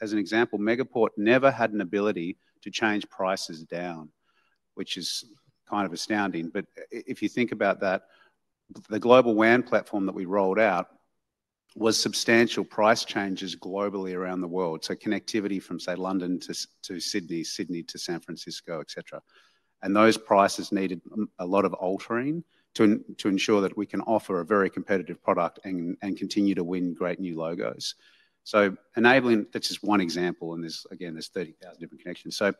an example, Megaport never had an ability to change prices down, which is kind of astounding. But if you think about that, the global WAN platform that we rolled out was substantial price changes globally around the world. So connectivity from, say, London to Sydney, Sydney to San Francisco, etc. And those prices needed a lot of altering to ensure that we can offer a very competitive product and continue to win great new logos. So enabling, that's just one example, and again, there's 30,000 different connections. So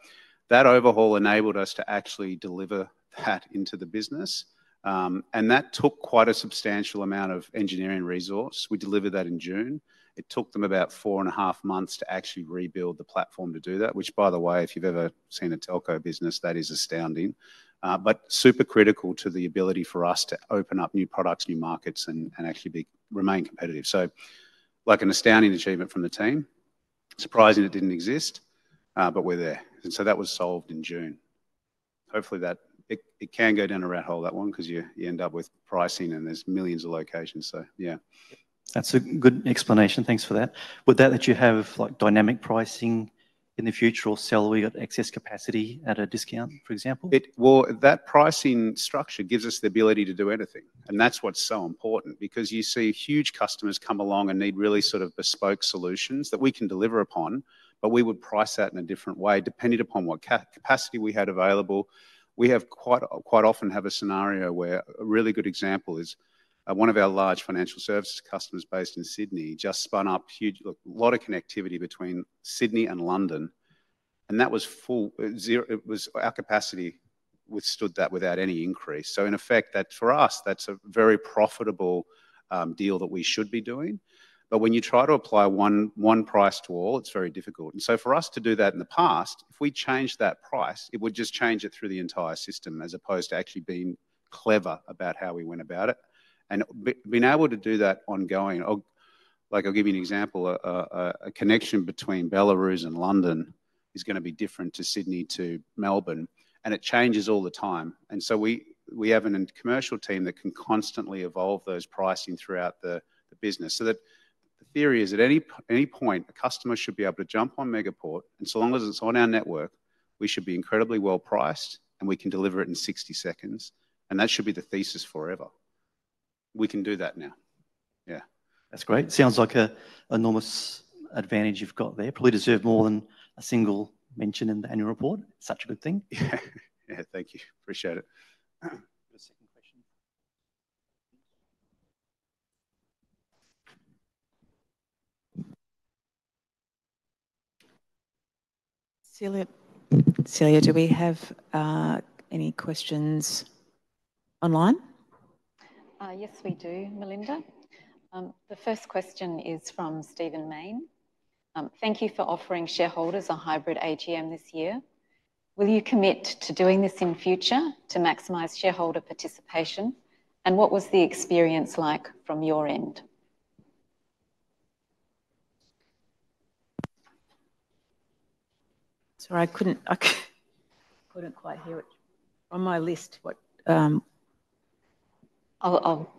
that overhaul enabled us to actually deliver that into the business. And that took quite a substantial amount of engineering resource. We delivered that in June. It took them about four and a half months to actually rebuild the platform to do that, which, by the way, if you've ever seen a telco business, that is astounding, but super critical to the ability for us to open up new products, new markets, and actually remain competitive. So, like an astounding achievement from the team. Surprising it didn't exist, but we're there. And so that was solved in June. Hopefully, it can go down a rabbit hole, that one, because you end up with pricing and there's millions of locations. So yeah. That's a good explanation. Thanks for that. Would that let you have dynamic pricing in the future or say we got excess capacity at a discount, for example? That pricing structure gives us the ability to do anything. That's what's so important because you see huge customers come along and need really sort of bespoke solutions that we can deliver upon, but we would price that in a different way depending upon what capacity we had available. We quite often have a scenario where a really good example is one of our large financial services customers based in Sydney just spun up a lot of connectivity between Sydney and London. That was full. Our capacity withstood that without any increase. In effect, for us, that's a very profitable deal that we should be doing. When you try to apply one price to all, it's very difficult. And so for us to do that in the past, if we changed that price, it would just change it through the entire system as opposed to actually being clever about how we went about it. And being able to do that ongoing, like I'll give you an example, a connection between Belarus and London is going to be different to Sydney to Melbourne. And it changes all the time. And so we have a commercial team that can constantly evolve those pricing throughout the business. So the theory is at any point, a customer should be able to jump on Megaport, and so long as it's on our network, we should be incredibly well priced and we can deliver it in 60 seconds. And that should be the thesis forever. We can do that now. Yeah. That's great. Sounds like an enormous advantage you've got there. Probably deserve more than a single mention in the Annual Report. Such a good thing. Yeah, thank you. Appreciate it. Second question. Celia, do we have any questions online? Yes, we do, Melinda. The first question is from Stephen Mayne. Thank you for offering shareholders a hybrid AGM this year. Will you commit to doing this in future to maximize shareholder participation? And what was the experience like from your end? Sorry, I couldn't quite hear it. On my list, what? I'll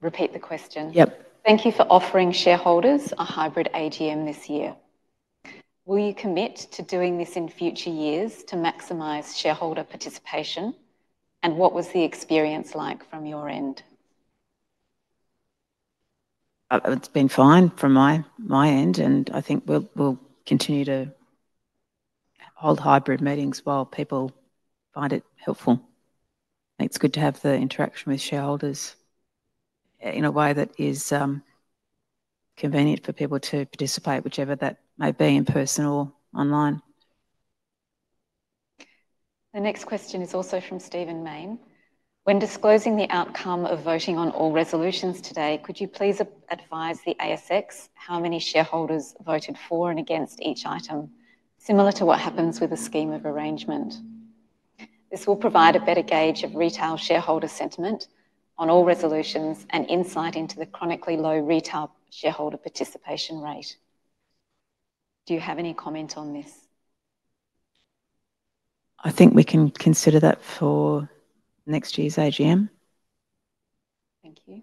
repeat the question. Yep. Thank you for offering shareholders a hybrid AGM this year. Will you commit to doing this in future years to maximize shareholder participation? And what was the experience like from your end? It's been fine from my end, and I think we'll continue to hold hybrid meetings while people find it helpful. It's good to have the interaction with shareholders in a way that is convenient for people to participate, whichever that may be in person or online. The next question is also from Stephen Mayne. When disclosing the outcome of voting on all resolutions today, could you please advise the ASX how many shareholders voted for and against each item, similar to what happens with a scheme of arrangement? This will provide a better gauge of retail shareholder sentiment on all resolutions and insight into the chronically low retail shareholder participation rate. Do you have any comment on this? I think we can consider that for next year's AGM. Thank you.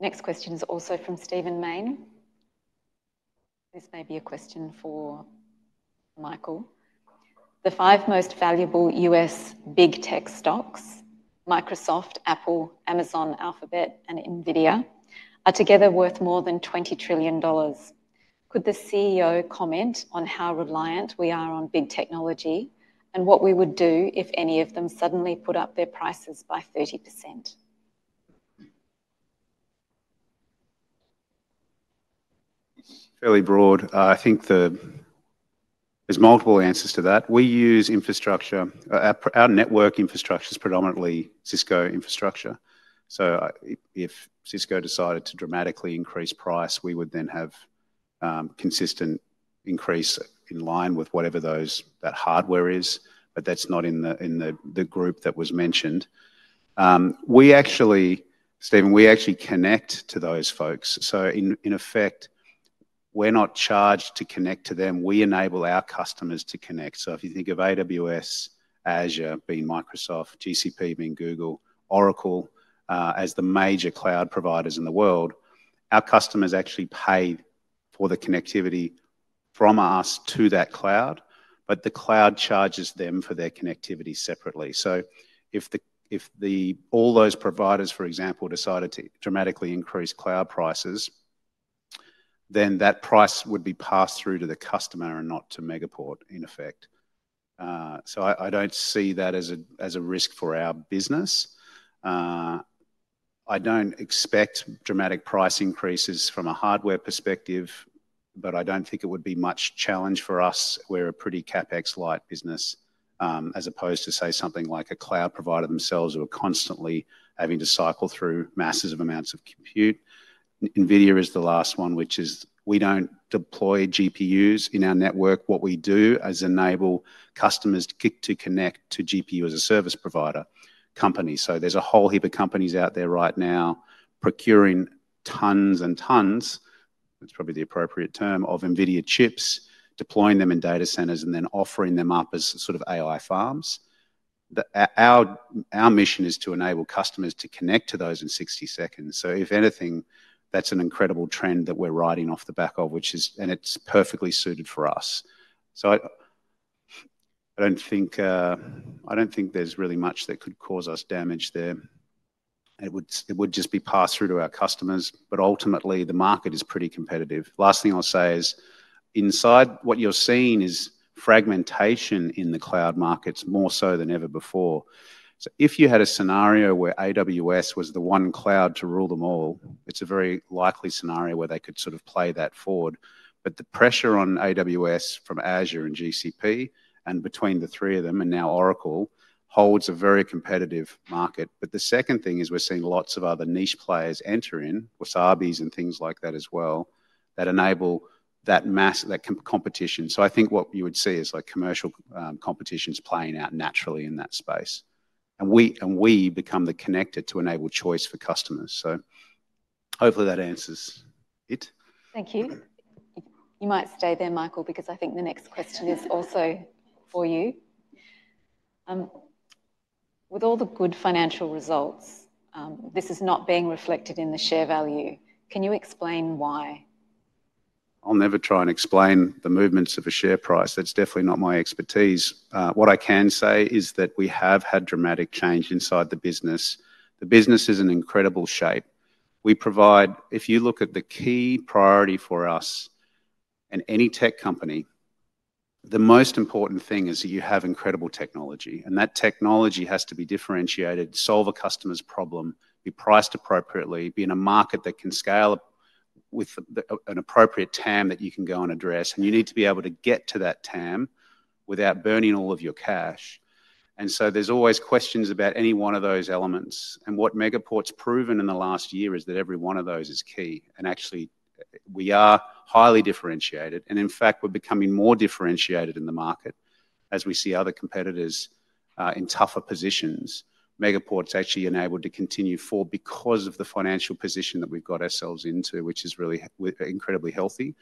Next question is also from Stephen Mayne. This may be a question for Michael. The five most valuable U.S. big tech stocks, Microsoft, Apple, Amazon, Alphabet, and NVIDIA, are together worth more than $20 trillion. Could the CEO comment on how reliant we are on big technology and what we would do if any of them suddenly put up their prices by 30%? Fairly broad. I think there's multiple answers to that. We use infrastructure. Our network infrastructure is predominantly Cisco infrastructure. So if Cisco decided to dramatically increase price, we would then have a consistent increase in line with whatever that hardware is, but that's not in the group that was mentioned. We actually, Stephen, we actually connect to those folks. So in effect, we're not charged to connect to them. We enable our customers to connect. So if you think of AWS, Azure being Microsoft, GCP being Google, Oracle as the major cloud providers in the world, our customers actually pay for the connectivity from us to that cloud, but the cloud charges them for their connectivity separately. So if all those providers, for example, decided to dramatically increase cloud prices, then that price would be passed through to the customer and not to Megaport, in effect. So I don't see that as a risk for our business. I don't expect dramatic price increases from a hardware perspective, but I don't think it would be much challenge for us. We're a pretty CapEx-light business as opposed to, say, something like a cloud provider themselves who are constantly having to cycle through masses of amounts of compute. NVIDIA is the last one, which is we don't deploy GPUs in our network. What we do is enable customers to connect to GPU-as-a-Service provider company. So there's a whole heap of companies out there right now procuring tons and tons, that's probably the appropriate term, of NVIDIA chips, deploying them in data centers and then offering them up as sort of AI farms. Our mission is to enable customers to connect to those in 60 seconds. So if anything, that's an incredible trend that we're riding off the back of, and it's perfectly suited for us. So I don't think there's really much that could cause us damage there. It would just be passed through to our customers. But ultimately, the market is pretty competitive. Last thing I'll say is inside what you're seeing is fragmentation in the cloud markets more so than ever before. So if you had a scenario where AWS was the one cloud to rule them all, it's a very likely scenario where they could sort of play that forward. But the pressure on AWS from Azure and GCP and between the three of them and now Oracle holds a very competitive market. But the second thing is we're seeing lots of other niche players enter in, Wasabi and things like that as well, that enable that competition. So I think what you would see is commercial competitions playing out naturally in that space. And we become the connector to enable choice for customers. So hopefully that answers it. Thank you. You might stay there, Michael, because I think the next question is also for you. With all the good financial results, this is not being reflected in the share value. Can you explain why? I'll never try and explain the movements of a share price. That's definitely not my expertise. What I can say is that we have had dramatic change inside the business. The business is in incredible shape. If you look at the key priority for us and any tech company, the most important thing is that you have incredible technology. And that technology has to be differentiated, solve a customer's problem, be priced appropriately, be in a market that can scale with an appropriate TAM that you can go and address. And you need to be able to get to that TAM without burning all of your cash. And so there's always questions about any one of those elements. And what Megaport's proven in the last year is that every one of those is key. And actually, we are highly differentiated. And in fact, we're becoming more differentiated in the market as we see other competitors in tougher positions. Megaport's actually enabled to continue forward because of the financial position that we've got ourselves into, which is really incredibly healthy.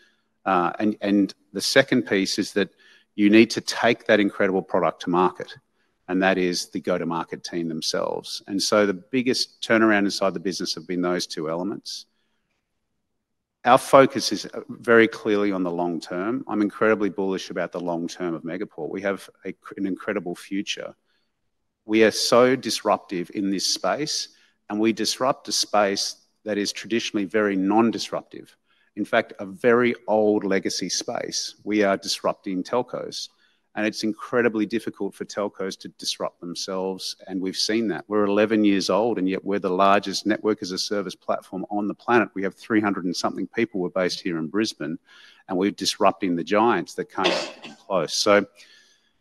And the second piece is that you need to take that incredible product to market. And that is the go-to-market team themselves. And so the biggest turnaround inside the business have been those two elements. Our focus is very clearly on the long term. I'm incredibly bullish about the long term of Megaport. We have an incredible future. We are so disruptive in this space, and we disrupt a space that is traditionally very non-disruptive. In fact, a very old legacy space. We are disrupting telcos. And it's incredibly difficult for telcos to disrupt themselves. And we've seen that. We're 11 years old, and yet we're the largest Network as a Service platform on the planet. We have 300 and something people. We're based here in Brisbane, and we're disrupting the giants that come close.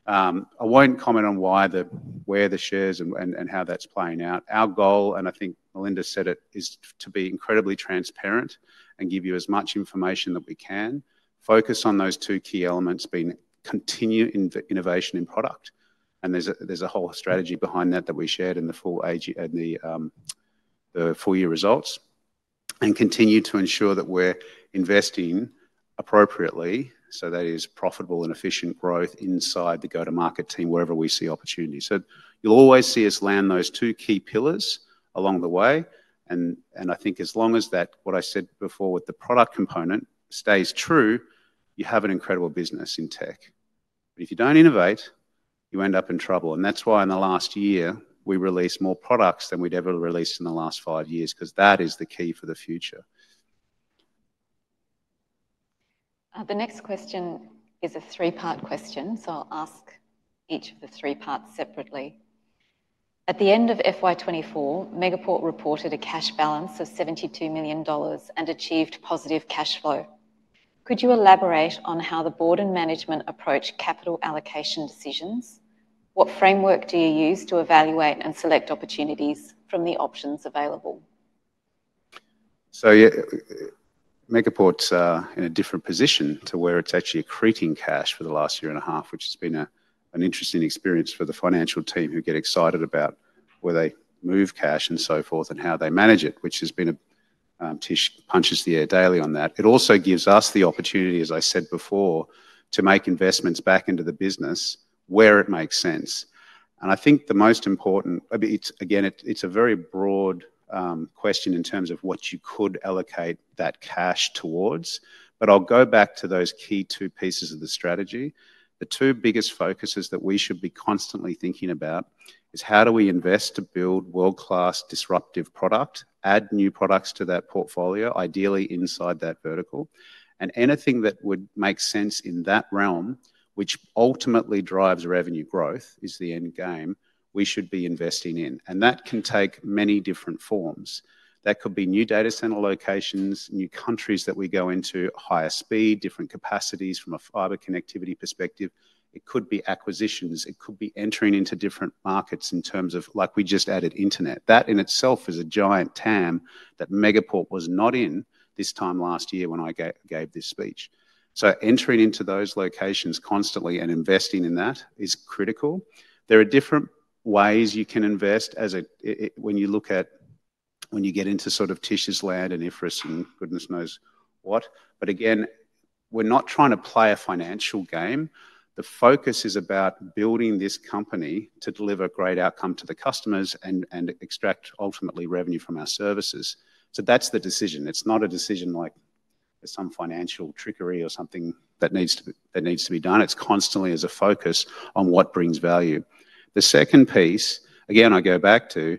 So I won't comment on where the shares and how that's playing out. Our goal, and I think Melinda said it, is to be incredibly transparent and give you as much information that we can, focus on those two key elements being continued innovation in product, and there's a whole strategy behind that that we shared in the full year results, and continue to ensure that we're investing appropriately so that is profitable and efficient growth inside the go-to-market team wherever we see opportunity, so you'll always see us land those two key pillars along the way. I think as long as that, what I said before with the product component stays true, you have an incredible business in tech. But if you don't innovate, you end up in trouble. That's why in the last year, we released more products than we'd ever released in the last five years because that is the key for the future. The next question is a three-part question, so I'll ask each of the three parts separately. At the end of FY 2024, Megaport reported a cash balance of $72 million and achieved positive cash flow. Could you elaborate on how the Board and management approach capital allocation decisions? What framework do you use to evaluate and select opportunities from the options available? Megaport's in a different position to where it's actually accreting cash for the last year and a half, which has been an interesting experience for the financial team who get excited about where they move cash and so forth and how they manage it, which has been a punch in the air daily on that. It also gives us the opportunity, as I said before, to make investments back into the business where it makes sense. I think the most important, again, it's a very broad question in terms of what you could allocate that cash towards. I'll go back to those key two pieces of the strategy. The two biggest focuses that we should be constantly thinking about is how do we invest to build world-class disruptive product, add new products to that portfolio, ideally inside that vertical. Anything that would make sense in that realm, which ultimately drives revenue growth, is the end game we should be investing in. That can take many different forms. That could be new data center locations, new countries that we go into, higher speed, different capacities from a fiber connectivity perspective. It could be acquisitions. It could be entering into different markets in terms of, like we just added internet. That in itself is a giant TAM that Megaport was not in this time last year when I gave this speech. Entering into those locations constantly and investing in that is critical. There are different ways you can invest when you look at when you get into sort of the tedious land and IFRS and goodness knows what. Again, we're not trying to play a financial game. The focus is about building this company to deliver great outcome to the customers and extract ultimately revenue from our services. So that's the decision. It's not a decision like there's some financial trickery or something that needs to be done. It's constantly as a focus on what brings value. The second piece, again, I go back to,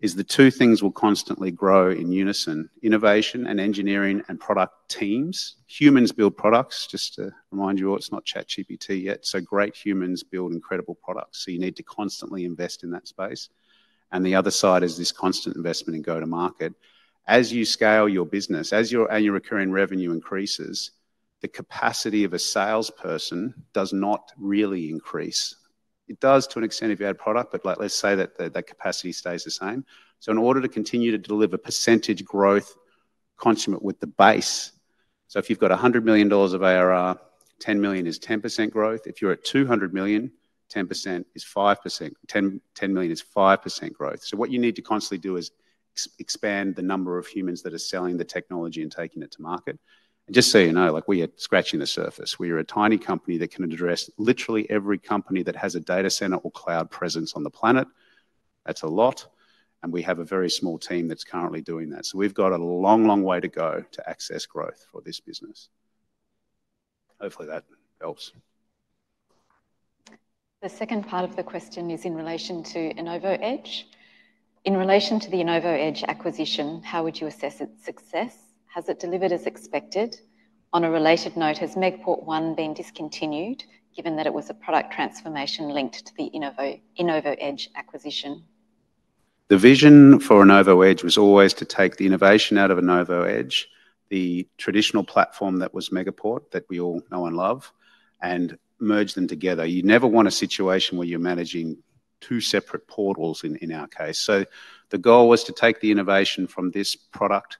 is the two things will constantly grow in unison. Innovation and engineering and product teams. Humans build products. Just to remind you, it's not ChatGPT yet, so great humans build incredible products. So you need to constantly invest in that space, and the other side is this constant investment in go-to-market. As you scale your business, as your recurring revenue increases, the capacity of a salesperson does not really increase. It does to an extent if you add product, but let's say that that capacity stays the same. So in order to continue to deliver percentage growth consistent with the base. So if you've got $100 million of ARR, $10 million is 10% growth. If you're at $200 million, $10 million is 5%. $10 million is 5% growth. So what you need to constantly do is expand the number of humans that are selling the technology and taking it to market. And just so you know, we are scratching the surface. We are a tiny company that can address literally every company that has a data center or cloud presence on the planet. That's a lot. And we have a very small team that's currently doing that. So we've got a long, long way to go to access growth for this business. Hopefully, that helps. The second part of the question is in relation to InnovoEdge. In relation to the InnovoEdge acquisition, how would you assess its success? Has it delivered as expected? On a related note, has Megaport ONE been discontinued given that it was a product transformation linked to the InnovoEdge acquisition? The vision for InnovoEdge was always to take the innovation out of InnovoEdge, the traditional platform that was Megaport that we all know and love, and merge them together. You never want a situation where you're managing two separate portals in our case. So the goal was to take the innovation from this product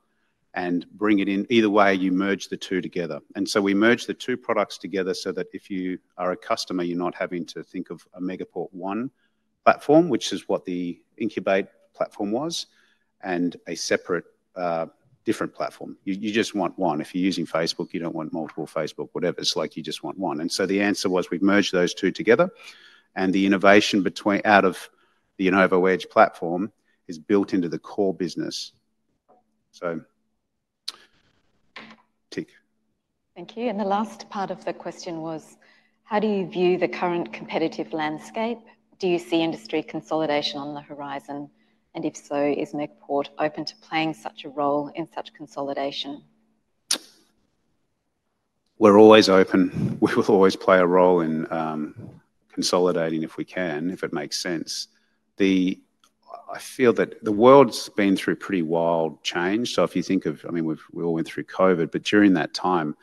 and bring it in. Either way, you merge the two together. And so we merge the two products together so that if you are a customer, you're not having to think of a Megaport ONE platform, which is what the InnovoEdge platform was, and a separate different platform. You just want one. If you're using Facebook, you don't want multiple Facebook, whatever. It's like you just want one. And so the answer was we've merged those two together. And the innovation out of the InnovoEdge platform is built into the core business. So tick. Thank you. And the last part of the question was, how do you view the current competitive landscape? Do you see industry consolidation on the horizon? And if so, is Megaport open to playing such a role in such consolidation? We're always open. We will always play a role in consolidating if we can, if it makes sense. I feel that the world's been through pretty wild change. So if you think of, I mean, we all went through COVID, but during that time,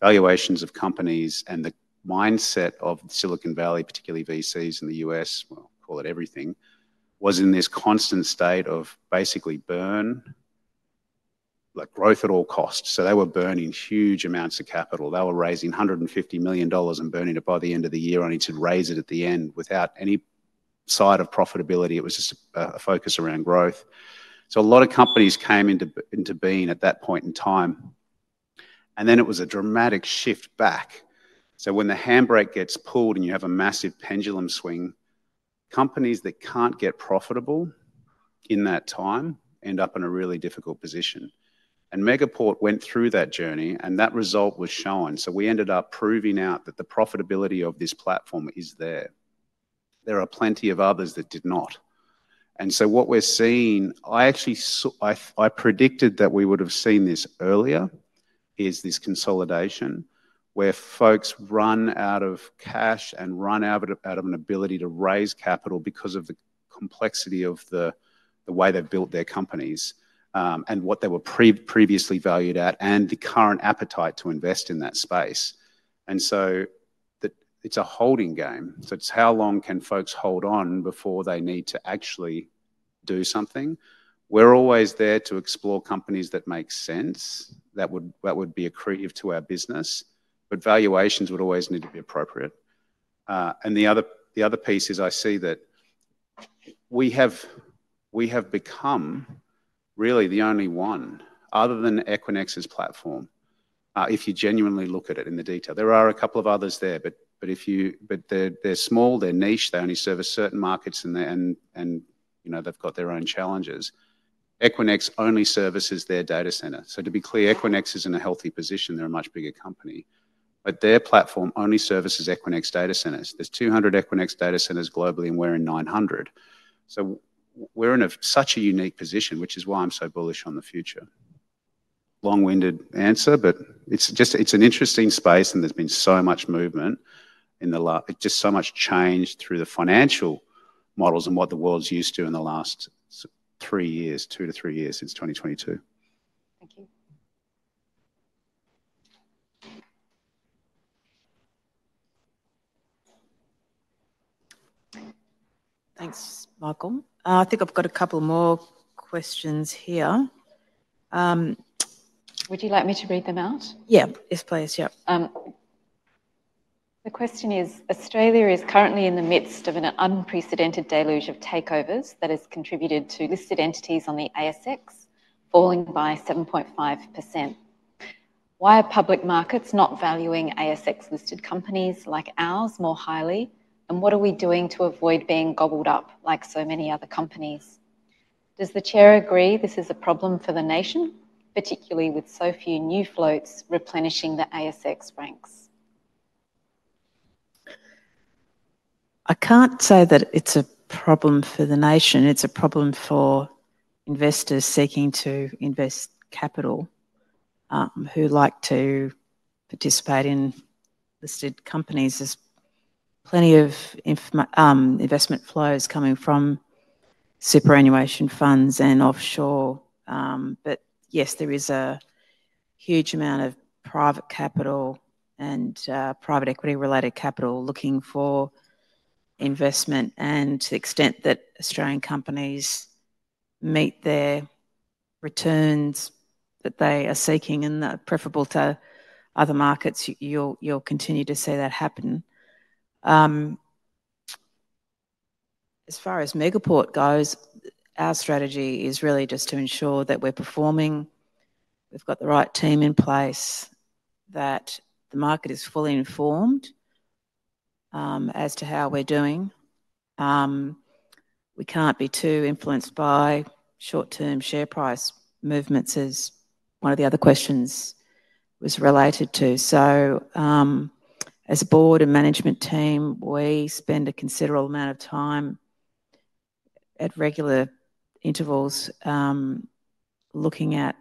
valuations of companies and the mindset of Silicon Valley, particularly VCs in the U.S., we'll call it everything, was in this constant state of basically burn, like growth at all costs. So they were burning huge amounts of capital. They were raising $150 million and burning it by the end of the year only to raise it at the end without any side of profitability. It was just a focus around growth. So a lot of companies came into being at that point in time, and then it was a dramatic shift back. So when the handbrake gets pulled and you have a massive pendulum swing, companies that can't get profitable in that time end up in a really difficult position. And Megaport went through that journey, and that result was shown. So we ended up proving out that the profitability of this platform is there. There are plenty of others that did not. And so what we're seeing, I actually predicted that we would have seen this earlier, is this consolidation where folks run out of cash and run out of an ability to raise capital because of the complexity of the way they've built their companies and what they were previously valued at and the current appetite to invest in that space. And so it's a holding game. So it's how long can folks hold on before they need to actually do something? We're always there to explore companies that make sense that would be accretive to our business, but valuations would always need to be appropriate, and the other piece is I see that we have become really the only one other than Equinix's platform if you genuinely look at it in the detail. There are a couple of others there, but they're small, they're niche, they only service certain markets, and they've got their own challenges. Equinix only services their data center, so to be clear, Equinix is in a healthy position. They're a much bigger company, but their platform only services Equinix data centers. There's 200 Equinix data centers globally, and we're in 900. So we're in such a unique position, which is why I'm so bullish on the future. Long-winded answer, but it's an interesting space, and there's been so much movement in the last, just so much change through the financial models and what the world's used to in the last three years, two to three years since 2022. Thanks, Michael. I think I've got a couple more questions here. Would you like me to read them out? Yeah, yes, please. Yeah. The question is, Australia is currently in the midst of an unprecedented deluge of takeovers that has contributed to listed entities on the ASX falling by 7.5%. Why are public markets not valuing ASX-listed companies like ours more highly? And what are we doing to avoid being gobbled up like so many other companies? Does the chair agree this is a problem for the nation, particularly with so few new floats replenishing the ASX ranks? I can't say that it's a problem for the nation. It's a problem for investors seeking to invest capital who like to participate in listed companies. There's plenty of investment flows coming from superannuation funds and offshore. But yes, there is a huge amount of private capital and private equity-related capital looking for investment. And to the extent that Australian companies meet their returns that they are seeking and are preferable to other markets, you'll continue to see that happen. As far as Megaport goes, our strategy is really just to ensure that we're performing, we've got the right team in place, that the market is fully informed as to how we're doing. We can't be too influenced by short-term share price movements as one of the other questions was related to. So as a Board and management team, we spend a considerable amount of time at regular intervals looking at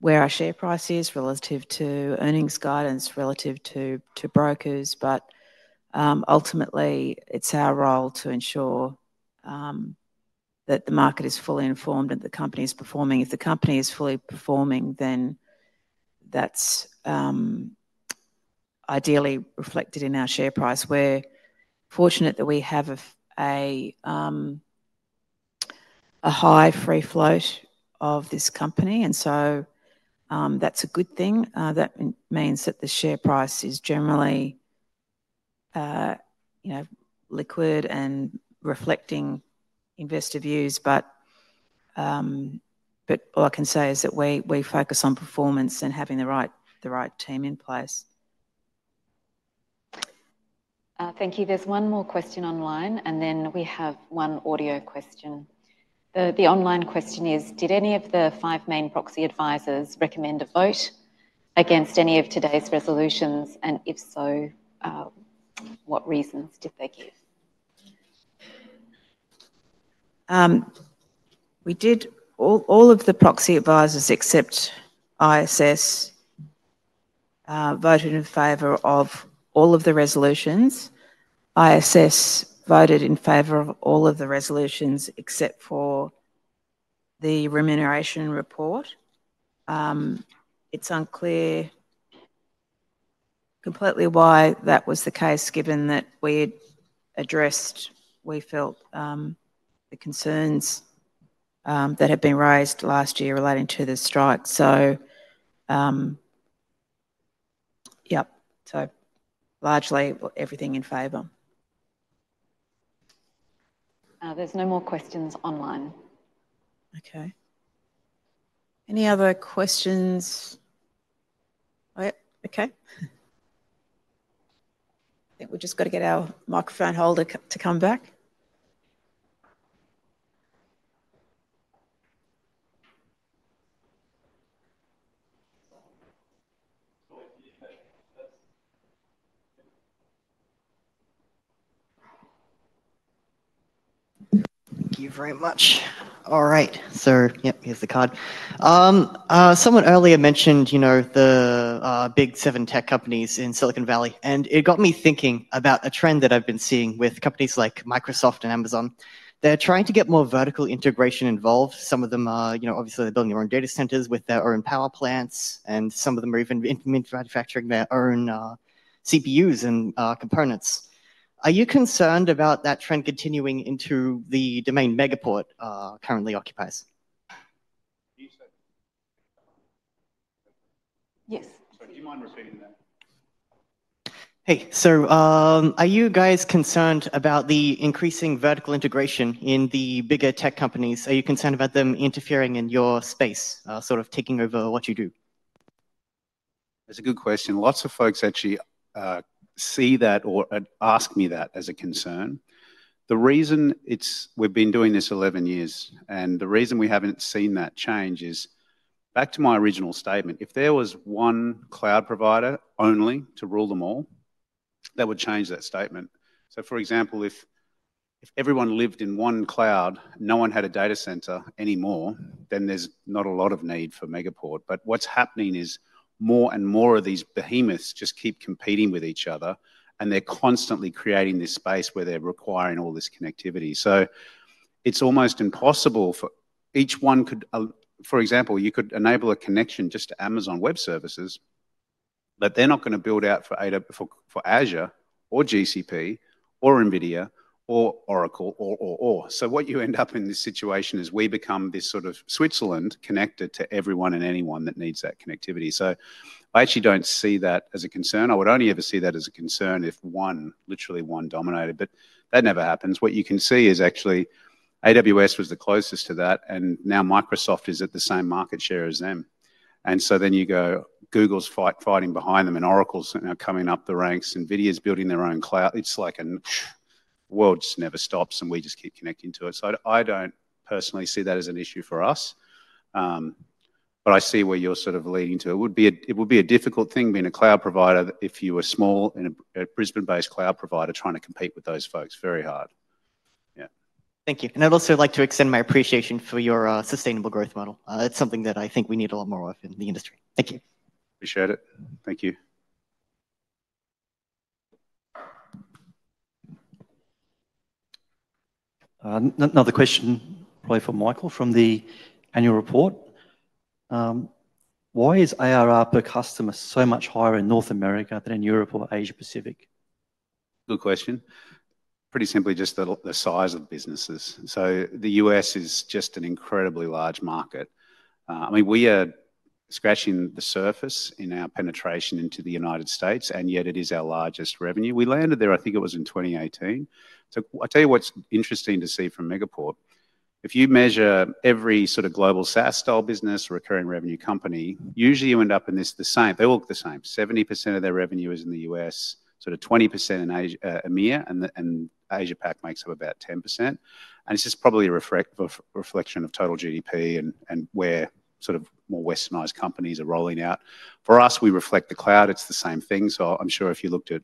where our share price is relative to earnings guidance relative to brokers. But ultimately, it's our role to ensure that the market is fully informed and the company is performing. If the company is fully performing, then that's ideally reflected in our share price. We're fortunate that we have a high free float of this company. And so that's a good thing. That means that the share price is generally liquid and reflecting investor views. But all I can say is that we focus on performance and having the right team in place. Thank you. There's one more question online, and then we have one audio question. The online question is, did any of the five main proxy advisors recommend a vote against any of today's resolutions? And if so, what reasons did they give? All of the proxy advisors except ISS voted in favor of all of the resolutions. ISS voted in favor of all of the resolutions except for the Remuneration Report. It's unclear completely why that was the case given that we addressed, we felt, the concerns that had been raised last year relating to the strike. So yeah, so largely everything in favor. There's no more questions online. Okay. Any other questions? Okay. I think we've just got to get our microphone holder to come back. Thank you very much. All right. So yep, here's the card. Someone earlier mentioned the Magnificent Seven tech companies in Silicon Valley. And it got me thinking about a trend that I've been seeing with companies like Microsoft and Amazon. They're trying to get more vertical integration involved. Some of them, obviously, they're building their own data centers with their own power plants, and some of them are even manufacturing their own CPUs and components. Are you concerned about that trend continuing into the domain Megaport currently occupies? Yes. Sorry, do you mind repeating that? Hey, so are you guys concerned about the increasing vertical integration in the bigger tech companies? Are you concerned about them interfering in your space, sort of taking over what you do? That's a good question. Lots of folks actually see that or ask me that as a concern. The reason we've been doing this 11 years and the reason we haven't seen that change is back to my original statement. If there was one cloud provider only to rule them all, that would change that statement. So for example, if everyone lived in one cloud, no one had a data center anymore, then there's not a lot of need for Megaport. But what's happening is more and more of these behemoths just keep competing with each other, and they're constantly creating this space where they're requiring all this connectivity. So it's almost impossible for each one cloud, for example, you could enable a connection just to Amazon Web Services, but they're not going to build out for Azure or GCP or NVIDIA or Oracle or, or, or. So what you end up in this situation is we become this sort of Switzerland connected to everyone and anyone that needs that connectivity. So I actually don't see that as a concern. I would only ever see that as a concern if one, literally one dominated, but that never happens. What you can see is actually AWS was the closest to that, and now Microsoft is at the same market share as them. And so then you go Google's fighting behind them and Oracle's coming up the ranks. NVIDIA's building their own cloud. It's like a world just never stops, and we just keep connecting to it. So I don't personally see that as an issue for us, but I see where you're sort of leading to. It would be a difficult thing being a cloud provider if you were a small Brisbane-based cloud provider trying to compete with those folks very hard. Yeah. Thank you. And I'd also like to extend my appreciation for your sustainable growth model. It's something that I think we need a lot more of in the industry. Thank you. Appreciate it. Thank you. Another question probably for Michael from the Annual Report. Why is ARR per customer so much higher in North America than in Europe or Asia-Pacific? Good question. Pretty simply, just the size of businesses. So the U.S. is just an incredibly large market. I mean, we are scratching the surface in our penetration into the United States, and yet it is our largest revenue. We landed there, I think it was in 2018. So I'll tell you what's interesting to see from Megaport. If you measure every sort of global SaaS-style business or recurring revenue company, usually you end up in the same. They look the same. 70% of their revenue is in the U.S., sort of 20% in EMEA, and Asia-Pac makes up about 10%. And it's just probably a reflection of total GDP and where sort of more westernized companies are rolling out. For us, we reflect the cloud. It's the same thing. So I'm sure if you looked at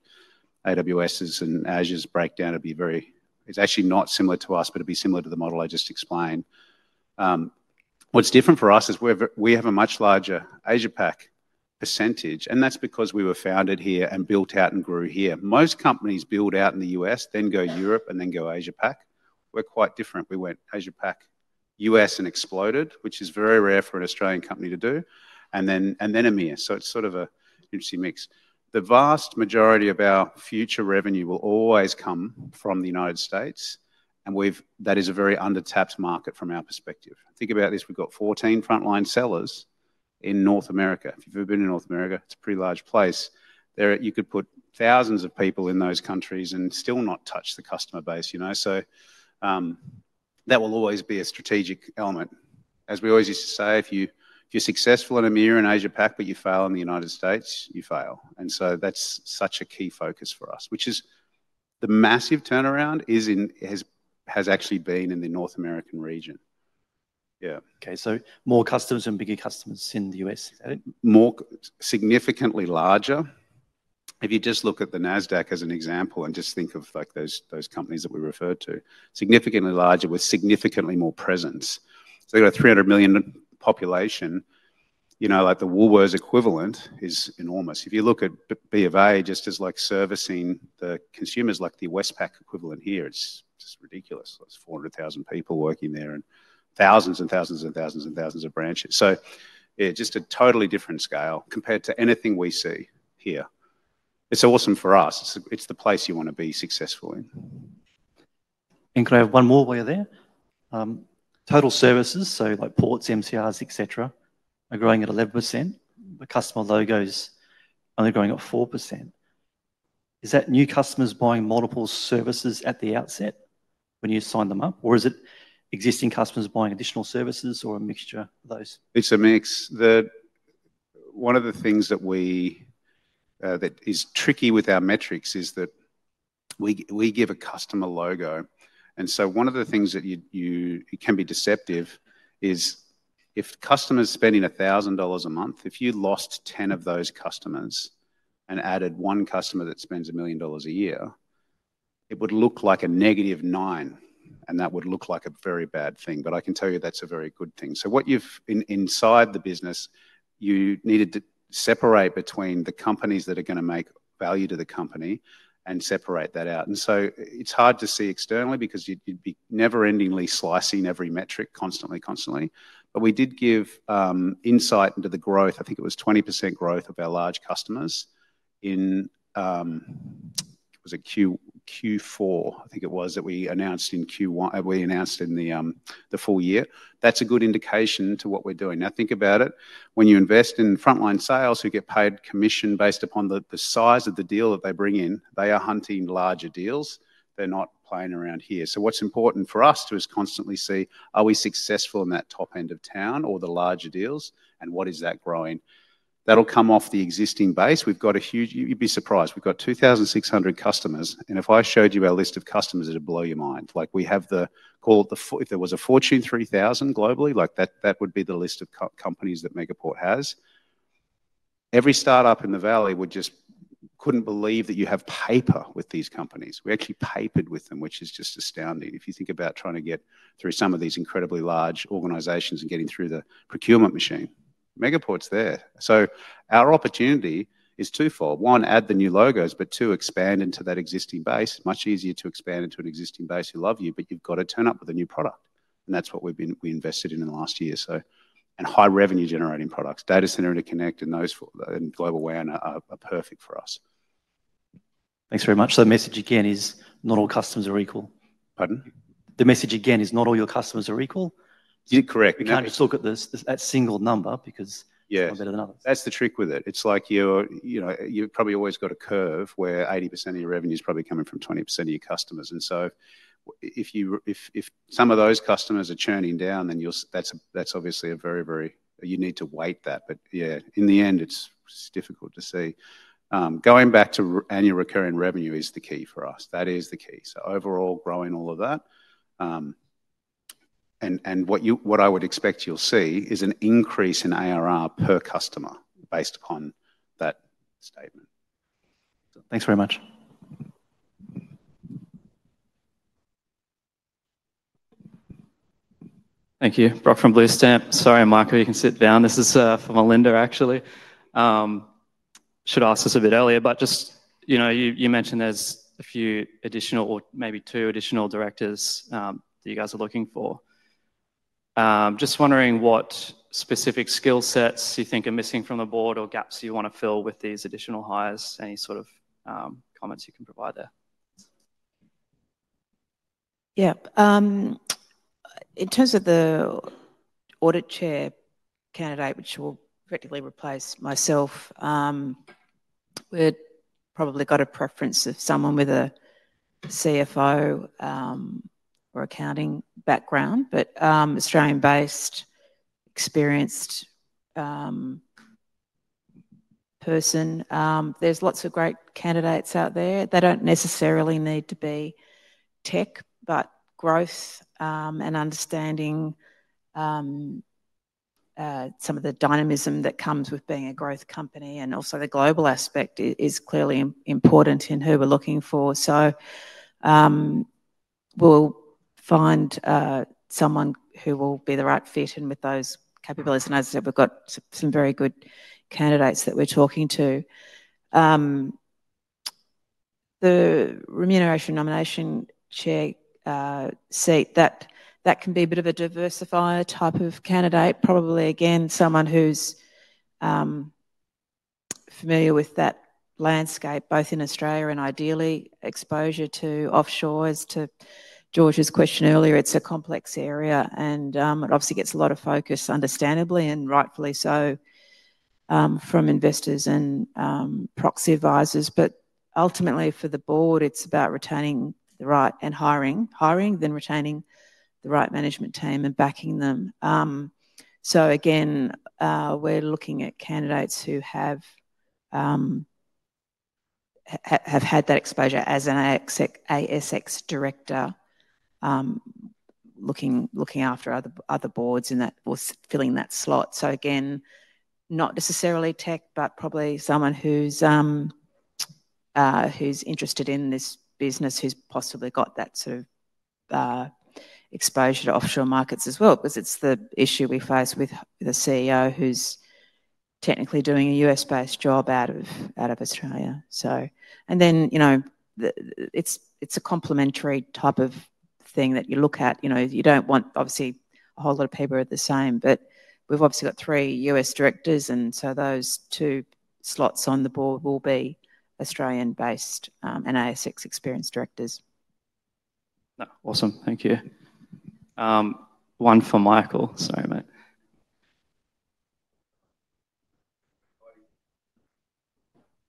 AWS's and Azure's breakdown, it'd be very, it's actually not similar to us, but it'd be similar to the model I just explained. What's different for us is we have a much larger Asia-Pac percentage, and that's because we were founded here and built out and grew here. Most companies build out in the U.S., then go Europe, and then go Asia-Pac. We're quite different. We went Asia-Pac, U.S., and exploded, which is very rare for an Australian company to do, and then EMEA. So it's sort of an interesting mix. The vast majority of our future revenue will always come from the United States, and that is a very undertapped market from our perspective. Think about this. We've got 14 frontline sellers in North America. If you've ever been in North America, it's a pretty large place. You could put thousands of people in those countries and still not touch the customer base. So that will always be a strategic element. As we always used to say, if you're successful in EMEA and Asia-Pac, but you fail in the United States, you fail. And so that's such a key focus for us, which is the massive turnaround has actually been in the North American region. Yeah. Okay. So more customers and bigger customers in the U.S., is that it? Significantly larger. If you just look at the Nasdaq as an example and just think of those companies that we referred to, significantly larger with significantly more presence. So we've got a 300 million population. The Woolworths equivalent is enormous. If you look at BofA, just as like servicing the consumers, like the Westpac equivalent here, it's just ridiculous. There's 400,000 people working there and thousands and thousands and thousands and thousands of branches. So yeah, just a totally different scale compared to anything we see here. It's awesome for us. It's the place you want to be successful in. And can I have one more while you're there? Total services, so like ports, MCRs, etc., are growing at 11%. The customer logos are only growing at 4%. Is that new customers buying multiple services at the outset when you sign them up, or is it existing customers buying additional services or a mixture of those? It's a mix. One of the things that is tricky with our metrics is that we give a customer logo. And so one of the things that can be deceptive is if customers spending $1,000 a month, if you lost 10 of those customers and added one customer that spends $1 million a year, it would look like a negative nine, and that would look like a very bad thing. But I can tell you that's a very good thing. So what you've inside the business, you needed to separate between the companies that are going to make value to the company and separate that out. And so it's hard to see externally because you'd be never-endingly slicing every metric constantly, constantly. But we did give insight into the growth. I think it was 20% growth of our large customers in, it was a Q4, I think it was, that we announced in Q1. We announced in the full year. That's a good indication to what we're doing. Now think about it. When you invest in frontline sales, who get paid commission based upon the size of the deal that they bring in, they are hunting larger deals. They're not playing around here. So what's important for us to is constantly see, are we successful in that top end of town or the larger deals, and what is that growing? That'll come off the existing base. We've got a huge, you'd be surprised. We've got 2,600 customers. And if I showed you our list of customers, it'd blow your mind. We have the, if there was a Fortune 3000 globally, that would be the list of companies that Megaport has. Every startup in the valley couldn't believe that you have paper with these companies. We actually papered with them, which is just astounding. If you think about trying to get through some of these incredibly large organizations and getting through the procurement machine, Megaport's there. So our opportunity is twofold. One, add the new logos, but two, expand into that existing base. Much easier to expand into an existing base who love you, but you've got to turn up with a new product. And that's what we've been invested in in the last year. And high-revenue-generating products, data center interconnect, and those in global WAN are perfect for us. Thanks very much, so the message again is not all customers are equal. Pardon? The message again is not all your customers are equal. Correct. You can't just look at that single number because it's better than others. That's the trick with it. It's like you've probably always got a curve where 80% of your revenue is probably coming from 20% of your customers. And so if some of those customers are churning down, then that's obviously a very, very—you need to weigh that. But yeah, in the end, it's difficult to see. Going back to annual recurring revenue is the key for us. That is the key. So overall, growing all of that. And what I would expect you'll see is an increase in ARR per customer based upon that statement. Thanks very much. Thank you. Brock from Blue Stamp. Sorry, Michael, you can sit down. This is for Melinda, actually. Should have asked this a bit earlier, but just you mentioned there's a few additional or maybe two additional directors that you guys are looking for. Just wondering what specific skill sets you think are missing from the Board or gaps you want to fill with these additional hires. Any sort of comments you can provide there? Yeah. In terms of the audit chair candidate, which will effectively replace myself, we've probably got a preference of someone with a CFO or accounting background, but Australian-based, experienced person. There's lots of great candidates out there. They don't necessarily need to be tech, but growth and understanding some of the dynamism that comes with being a growth company and also the global aspect is clearly important in who we're looking for. So we'll find someone who will be the right fit and with those capabilities. And as I said, we've got some very good candidates that we're talking to. The remuneration nomination chair seat, that can be a bit of a diversifier type of candidate. Probably, again, someone who's familiar with that landscape, both in Australia and ideally exposure to offshore. As to George's question earlier, it's a complex area, and it obviously gets a lot of focus, understandably and rightfully so, from investors and proxy advisors. But ultimately, for the Board, it's about retaining the right and hiring, hiring, then retaining the right management team and backing them. So again, we're looking at candidates who have had that exposure as an ASX director, looking after other Boards or filling that slot. So again, not necessarily tech, but probably someone who's interested in this business, who's possibly got that sort of exposure to offshore markets as well, because it's the issue we face with the CEO who's technically doing a U.S.-based job out of Australia. And then it's a complementary type of thing that you look at. You don't want, obviously, a whole lot of people who are the same, but we've obviously got three U.S. directors, and so those two slots on the Board will be Australian-based and ASX experienced directors. Awesome. Thank you. One for Michael. Sorry, mate.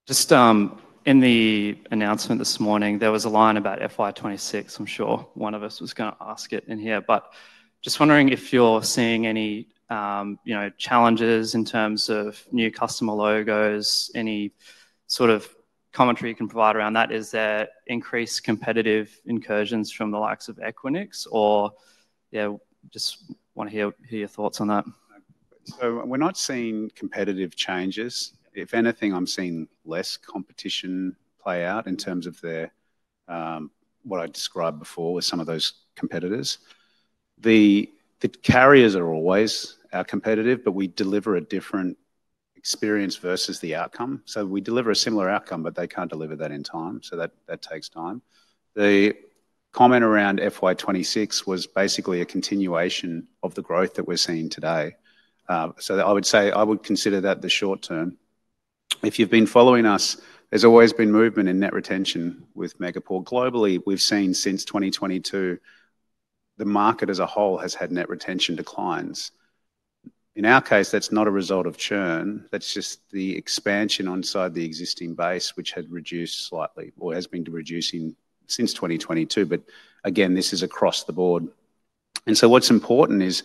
Just in the announcement this morning, there was a line about FY 2026. I'm sure one of us was going to ask it in here, but just wondering if you're seeing any challenges in terms of new customer logos, any sort of commentary you can provide around that? Is there increased competitive incursions from the likes of Equinix? Or yeah, just want to hear your thoughts on that. We're not seeing competitive changes. If anything, I'm seeing less competition play out in terms of what I described before with some of those competitors. The carriers are always our competitors, but we deliver a different experience versus the outcome. We deliver a similar outcome, but they can't deliver that in time. That takes time. The comment around FY 2026 was basically a continuation of the growth that we're seeing today. I would say I would consider that the short term. If you've been following us, there's always been movement in net retention with Megaport. Globally, we've seen since 2022, the market as a whole has had net retention declines. In our case, that's not a result of churn. That's just the expansion inside the existing base, which had reduced slightly or has been reducing since 2022. Again, this is across the board. What's important is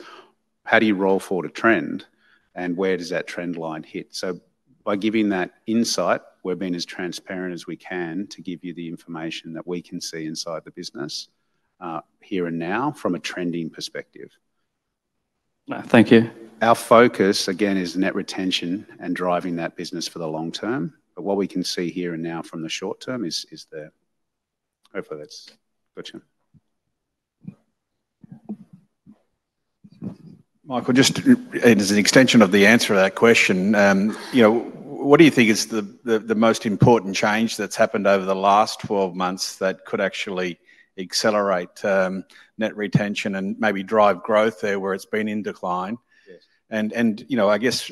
how do you roll forward a trend and where does that trend line hit? By giving that insight, we've been as transparent as we can to give you the information that we can see inside the business here and now from a trending perspective. Thank you. Our focus, again, is net retention and driving that business for the long term. But what we can see here and now from the short term is there. Hopefully, that's got you. Michael, just as an extension of the answer to that question, what do you think is the most important change that's happened over the last 12 months that could actually accelerate net retention and maybe drive growth there where it's been in decline? And I guess,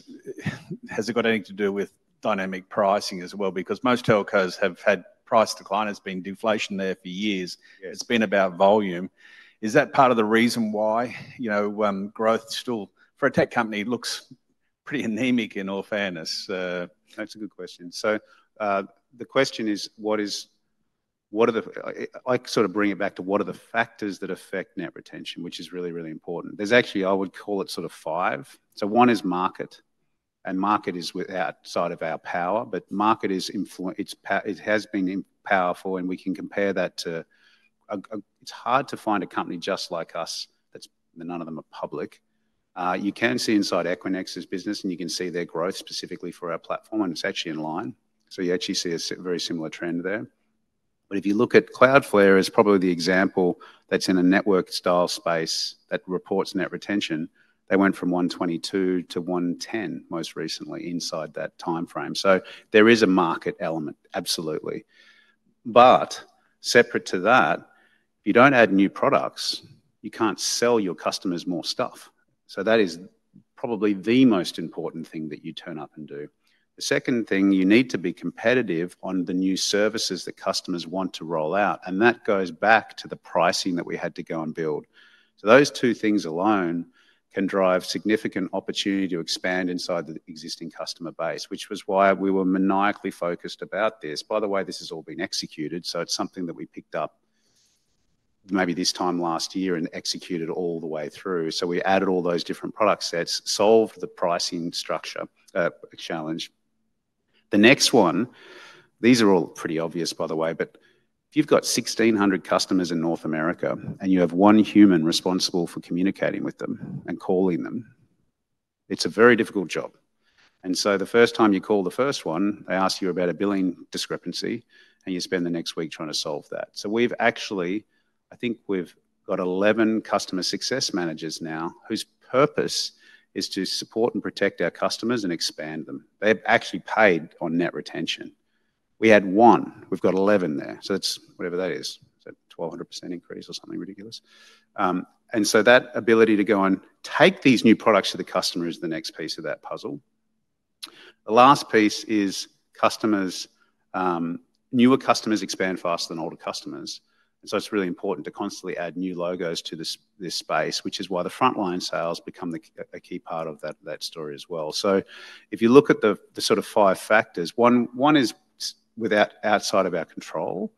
has it got anything to do with dynamic pricing as well? Because most telcos have had price decline. There's been deflation there for years. It's been about volume. Is that part of the reason why growth still for a tech company looks pretty anemic in all fairness? That's a good question. So the question is, what are the, I sort of bring it back to what are the factors that affect net retention, which is really, really important. There's actually, I would call it sort of five. So one is market. And market is outside of our power, but market has been powerful, and we can compare that to. It's hard to find a company just like us that's. None of them are public. You can see inside Equinix's business, and you can see their growth specifically for our platform, and it's actually in line. So you actually see a very similar trend there. But if you look at Cloudflare as probably the example that's in a network-style space that reports net retention, they went from 122 to 110 most recently inside that timeframe. So there is a market element, absolutely. But separate to that, if you don't add new products, you can't sell your customers more stuff. So that is probably the most important thing that you turn up and do. The second thing, you need to be competitive on the new services that customers want to roll out. And that goes back to the pricing that we had to go and build. So those two things alone can drive significant opportunity to expand inside the existing customer base, which was why we were maniacally focused about this. By the way, this has all been executed. So it's something that we picked up maybe this time last year and executed all the way through. So we added all those different product sets, solved the pricing structure challenge. The next one, these are all pretty obvious, by the way, but if you've got 1,600 customers in North America and you have one human responsible for communicating with them and calling them, it's a very difficult job. And so the first time you call the first one, they ask you about a billing discrepancy, and you spend the next week trying to solve that. We've actually, I think we've got 11 customer success managers now whose purpose is to support and protect our customers and expand them. They've actually paid on net retention. We had one. We've got 11 there. So it's whatever that is. It's a 1,200% increase or something ridiculous. And so that ability to go and take these new products to the customer is the next piece of that puzzle. The last piece is customers - newer customers expand faster than older customers. And so it's really important to constantly add new logos to this space, which is why the frontline sales become a key part of that story as well. So if you look at the sort of five factors, one is outside of our control.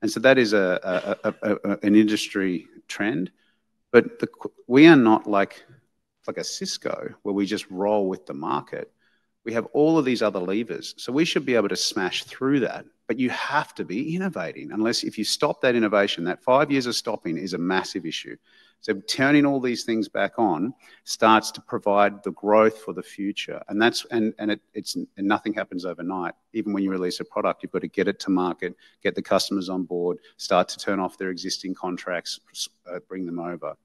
And so that is an industry trend. But we are not like a Cisco where we just roll with the market. We have all of these other levers. So we should be able to smash through that. But you have to be innovating unless if you stop that innovation, that five years of stopping is a massive issue. So turning all these things back on starts to provide the growth for the future. And nothing happens overnight. Even when you release a product, you've got to get it to market, get the customers on board, start to turn off their existing contracts, bring them over.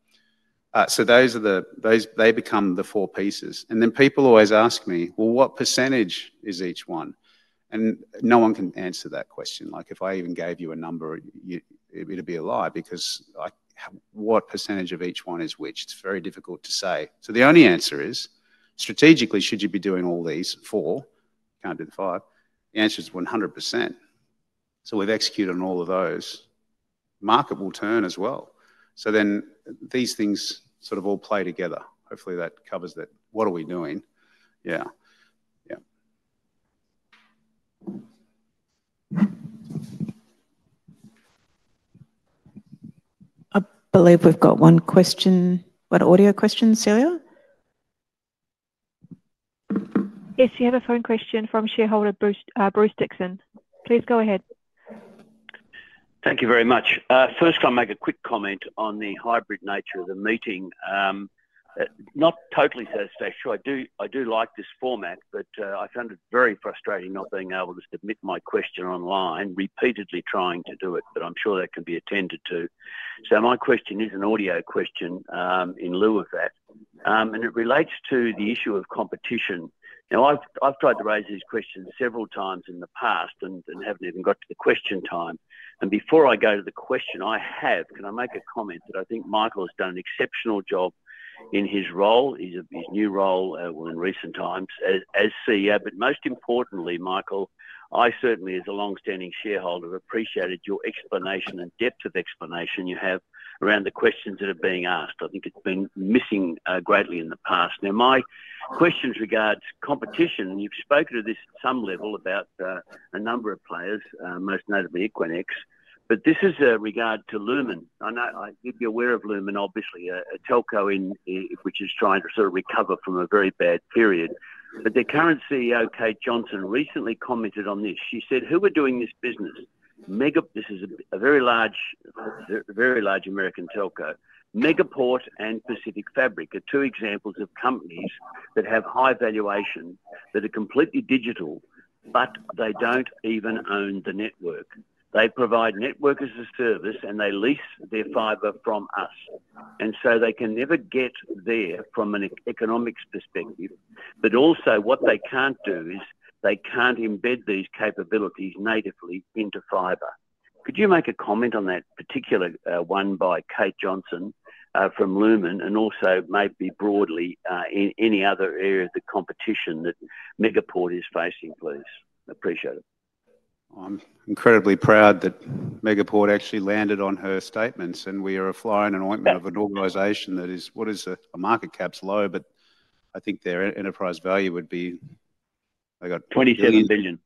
So they become the four pieces. And then people always ask me, "Well, what percentage is each one?" And no one can answer that question. If I even gave you a number, it'd be a lie because what percentage of each one is which? It's very difficult to say. So the only answer is, strategically, should you be doing all these four? Can't do the five. The answer is 100%. So we've executed on all of those. Market will turn as well. So then these things sort of all play together. Hopefully, that covers that. What are we doing? Yeah. Yeah. I believe we've got one question. What audio question, Celia? Yes, you have a phone question from shareholder Bruce Dixon. Please go ahead. Thank you very much. First, I'll make a quick comment on the hybrid nature of the meeting. Not totally satisfactory. I do like this format, but I found it very frustrating not being able to submit my question online, repeatedly trying to do it, but I'm sure that can be attended to. So my question is an audio question in lieu of that. And it relates to the issue of competition. Now, I've tried to raise these questions several times in the past and haven't even got to the question time. And before I go to the question, I have, can I make a comment that I think Michael has done an exceptional job in his role, his new role in recent times as CEO? But most importantly, Michael, I certainly, as a long-standing shareholder, have appreciated your explanation and depth of explanation you have around the questions that are being asked. I think it's been missing greatly in the past. Now, my question regards competition. You've spoken to this at some level about a number of players, most notably Equinix. But this regards Lumen. I know you'd be aware of Lumen, obviously, a telco which is trying to sort of recover from a very bad period. But the current CEO, Kate Johnson, recently commented on this. She said, "Who are doing this business?" This is a very large American telco. Megaport and PacketFabric are two examples of companies that have high valuation that are completely digital, but they don't even own the network. They provide Network as a Service, and they lease their fiber from us. And so they can never get there from an economics perspective. But also, what they can't do is they can't embed these capabilities natively into fiber. Could you make a comment on that particular one by Kate Johnson from Lumen and also maybe broadly in any other area of the competition that Megaport is facing, please? Appreciate it. I'm incredibly proud that Megaport actually landed on her statements, and we are a fly in an ointment of an organization that is - what is it? - market cap's low, but I think their enterprise value would be - $27 billion.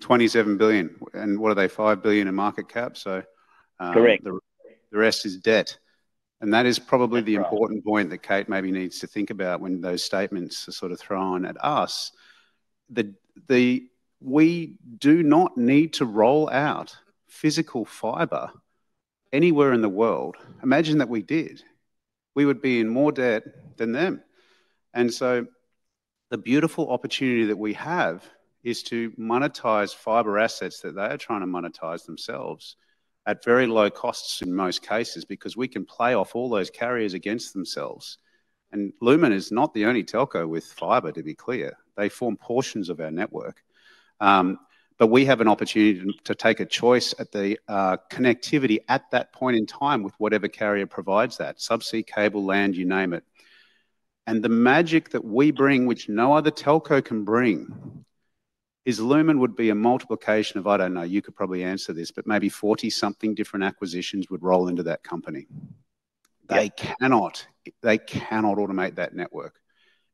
$27 billion. And what are they? $5 billion in market cap? So. Correct. The rest is debt. And that is probably the important point that Kate maybe needs to think about when those statements are sort of thrown at us. We do not need to roll out physical fiber anywhere in the world. Imagine that we did. We would be in more debt than them. And so the beautiful opportunity that we have is to monetize fiber assets that they are trying to monetize themselves at very low costs in most cases because we can play off all those carriers against themselves. And Lumen is not the only telco with fiber, to be clear. They form portions of our network. But we have an opportunity to take a choice at the connectivity at that point in time with whatever carrier provides that: subsea, cable, land, you name it. And the magic that we bring, which no other telco can bring, is Lumen would be a multiplication of. I don't know, you could probably answer this, but maybe 40-something different acquisitions would roll into that company. They cannot automate that network.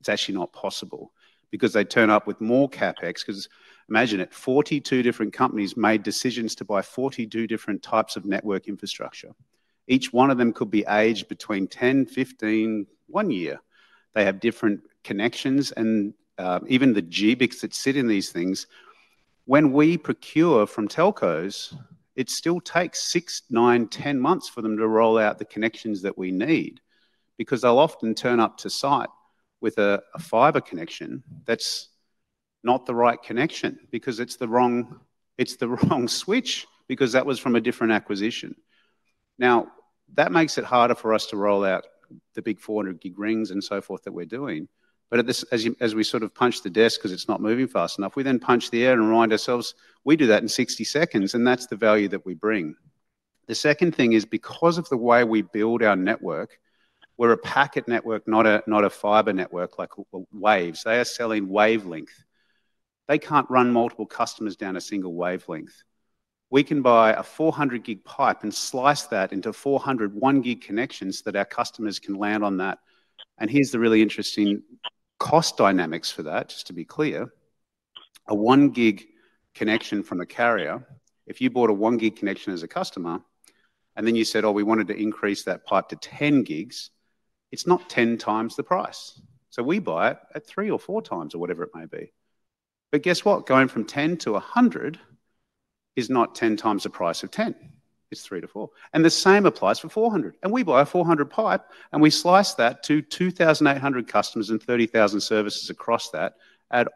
It's actually not possible because they turn up with more CapEx because imagine it: 42 different companies made decisions to buy 42 different types of network infrastructure. Each one of them could be aged between 10, 15, one year. They have different connections. And even the GBICs that sit in these things, when we procure from telcos, it still takes six, 9, 10 months for them to roll out the connections that we need because they'll often turn up to site with a fiber connection that's not the right connection because it's the wrong switch because that was from a different acquisition. Now, that makes it harder for us to roll out the big 400-gig rings and so forth that we're doing. But as we sort of punch the desk because it's not moving fast enough, we then punch the air and remind ourselves we do that in 60 seconds, and that's the value that we bring. The second thing is because of the way we build our network, we're a packet network, not a fiber network like waves. They are selling wavelength. They can't run multiple customers down a single wavelength. We can buy a 400-gig pipe and slice that into 400 1-gig connections so that our customers can land on that. And here's the really interesting cost dynamics for that, just to be clear. A 1-gig connection from a carrier, if you bought a 1-gig connection as a customer, and then you said, "Oh, we wanted to increase that pipe to 10 gigs," it's not 10 times the price. We buy it at three or four times or whatever it may be. Guess what? Going from 10 to 100 is not 10 times the price of 10. It's three to four. The same applies for 400. We buy a 400 pipe, and we slice that to 2,800 customers and 30,000 services across that and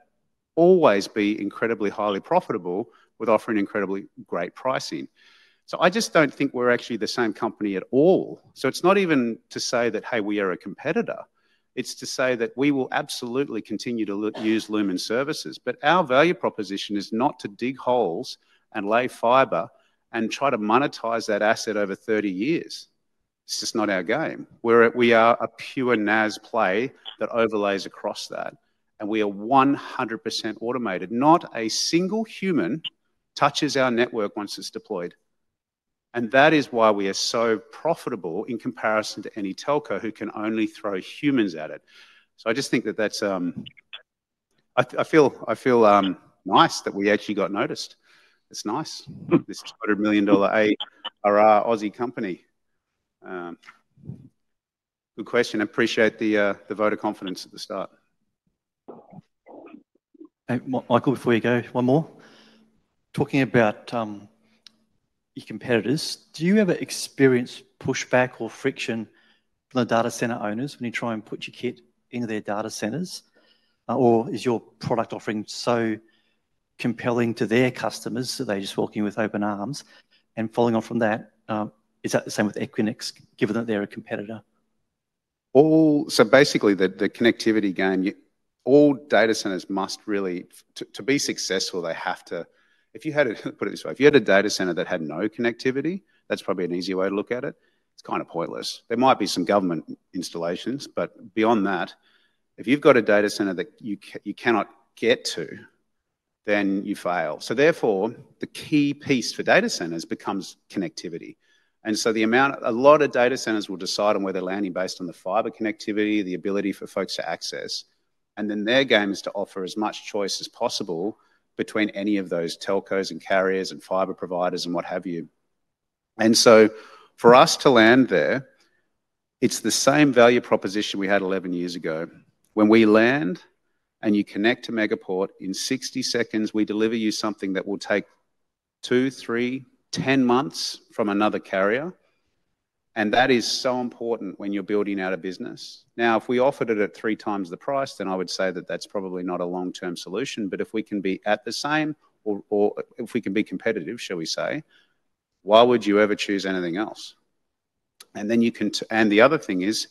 always be incredibly highly profitable with offering incredibly great pricing. I just don't think we're actually the same company at all. It's not even to say that, "Hey, we are a competitor." It's to say that we will absolutely continue to use Lumen services. But our value proposition is not to dig holes and lay fiber and try to monetize that asset over 30 years. It's just not our game. We are a pure NaaS play that overlays across that. And we are 100% automated. Not a single human touches our network once it's deployed. And that is why we are so profitable in comparison to any telco who can only throw humans at it. So I just think that that's—I feel nice that we actually got noticed. It's nice. This 200 million dollar ARR Aussie company. Good question. Appreciate the vote of confidence at the start. Michael, before you go, one more. Talking about your competitors, do you ever experience pushback or friction from the data center owners when you try and put your kit into their data centers? Or is your product offering so compelling to their customers that they're just walking with open arms? And following on from that, is that the same with Equinix, given that they're a competitor? So basically, the connectivity gain, all data centers must really, to be successful, they have to, if you had to put it this way, if you had a data center that had no connectivity, that's probably an easier way to look at it. It's kind of pointless. There might be some government installations, but beyond that, if you've got a data center that you cannot get to, then you fail. So therefore, the key piece for data centers becomes connectivity. And so a lot of data centers will decide on where they're landing based on the fiber connectivity, the ability for folks to access. And then their game is to offer as much choice as possible between any of those telcos and carriers and fiber providers and what have you. And so for us to land there, it's the same value proposition we had 11 years ago. When we land and you connect to Megaport, in 60 seconds, we deliver you something that will take two, three, 10 months from another carrier. And that is so important when you're building out a business. Now, if we offered it at three times the price, then I would say that that's probably not a long-term solution. But if we can be at the same or if we can be competitive, shall we say, why would you ever choose anything else? And the other thing is,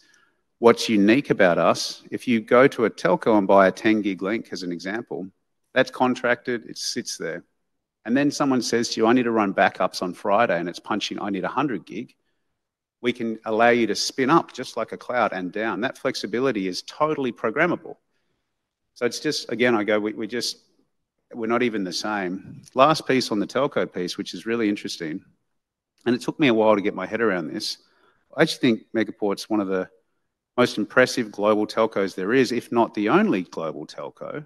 what's unique about us, if you go to a telco and buy a 10-gig link, as an example, that's contracted. It sits there. And then someone says to you, "I need to run backups on Friday," and it's punching, "I need 100 gig," we can allow you to spin up just like a cloud and down. That flexibility is totally programmable. So it's just, again, I go, "We're not even the same." Last piece on the telco piece, which is really interesting, and it took me a while to get my head around this. I just think Megaport's one of the most impressive global telcos there is, if not the only global telco.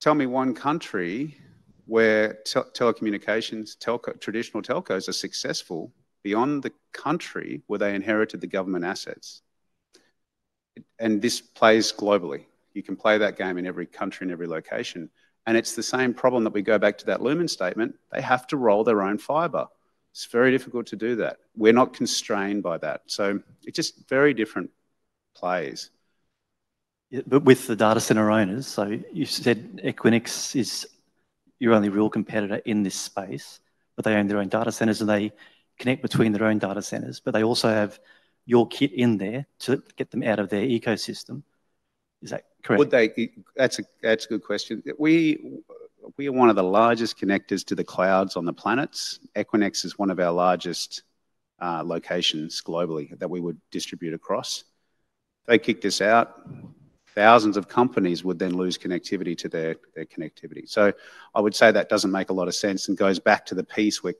Tell me one country where telecommunications, traditional telcos are successful beyond the country where they inherited the government assets. And this plays globally. You can play that game in every country, in every location. And it's the same problem that we go back to that Lumen statement. They have to roll their own fiber. It's very difficult to do that. We're not constrained by that. So it's just very different plays. But with the data center owners, so you said Equinix is your only real competitor in this space, but they own their own data centers and they connect between their own data centers, but they also have your kit in there to get them out of their ecosystem. Is that correct? That's a good question. We are one of the largest connectors to the clouds on the planet. Equinix is one of our largest locations globally that we would distribute across. They kicked us out. Thousands of companies would then lose connectivity to their connectivity. So I would say that doesn't make a lot of sense and goes back to the piece where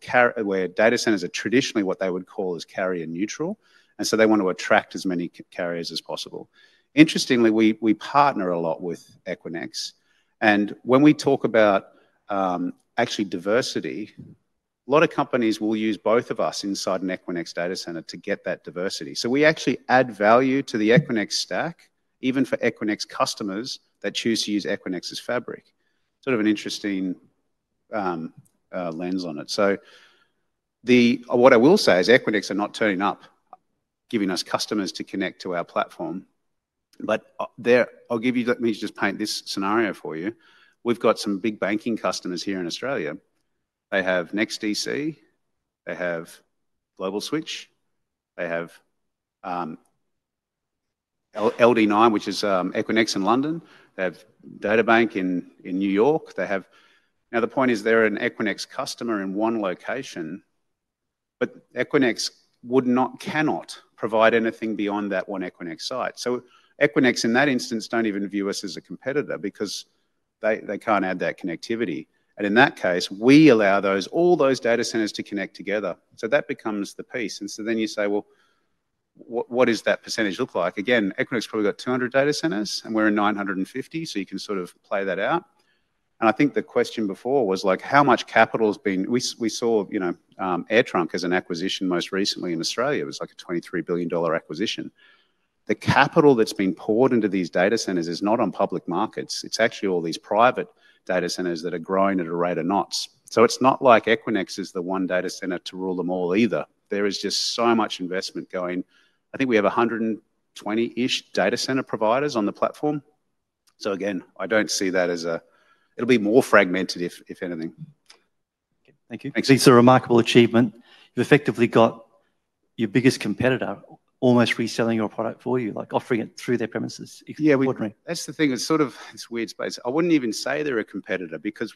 data centers are traditionally what they would call as carrier neutral, and so they want to attract as many carriers as possible. Interestingly, we partner a lot with Equinix, and when we talk about actually diversity, a lot of companies will use both of us inside an Equinix data center to get that diversity. So we actually add value to the Equinix stack, even for Equinix customers that choose to use Equinix Fabric. Sort of an interesting lens on it. So what I will say is Equinix are not turning up, giving us customers to connect to our platform. But I'll give you, let me just paint this scenario for you. We've got some big banking customers here in Australia. They have NEXTDC. They have Global Switch. They have LD9, which is Equinix in London. They have DataBank in New York. Now, the point is they're an Equinix customer in one location, but Equinix cannot provide anything beyond that one Equinix site. So Equinix, in that instance, don't even view us as a competitor because they can't add that connectivity. And in that case, we allow all those data centers to connect together. So that becomes the piece. And so then you say, "Well, what does that percentage look like?" Again, Equinix probably got 200 data centers, and we're in 950, so you can sort of play that out. I think the question before was how much capital has been. We saw AirTrunk as an acquisition most recently in Australia. It was like a 23 billion dollar acquisition. The capital that's been poured into these data centers is not on public markets. It's actually all these private data centers that are growing at a rate of knots. So it's not like Equinix is the one data center to rule them all either. There is just so much investment going. I think we have 120-ish data center providers on the platform. So again, I don't see that as a. It'll be more fragmented, if anything. Thank you. It's a remarkable achievement. You've effectively got your biggest competitor almost reselling your product for you, like offering it through their premises. Yeah, that's the thing. It's sort of, it's weird space. I wouldn't even say they're a competitor because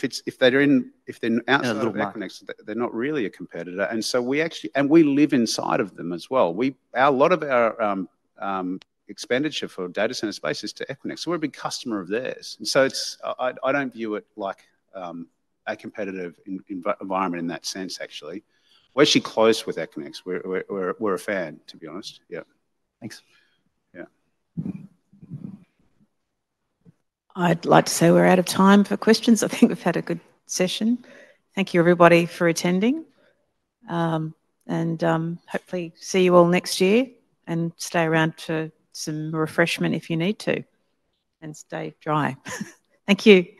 if they're outselling Equinix, they're not really a competitor, and we live inside of them as well. A lot of our expenditure for data center space is to Equinix, so we're a big customer of theirs, and so I don't view it like a competitive environment in that sense, actually. We're actually close with Equinix. We're a fan, to be honest. Thanks. I'd like to say we're out of time for questions. I think we've had a good session. Thank you, everybody, for attending. And hopefully, see you all next year and stay around for some refreshment if you need to and stay dry. Thank you.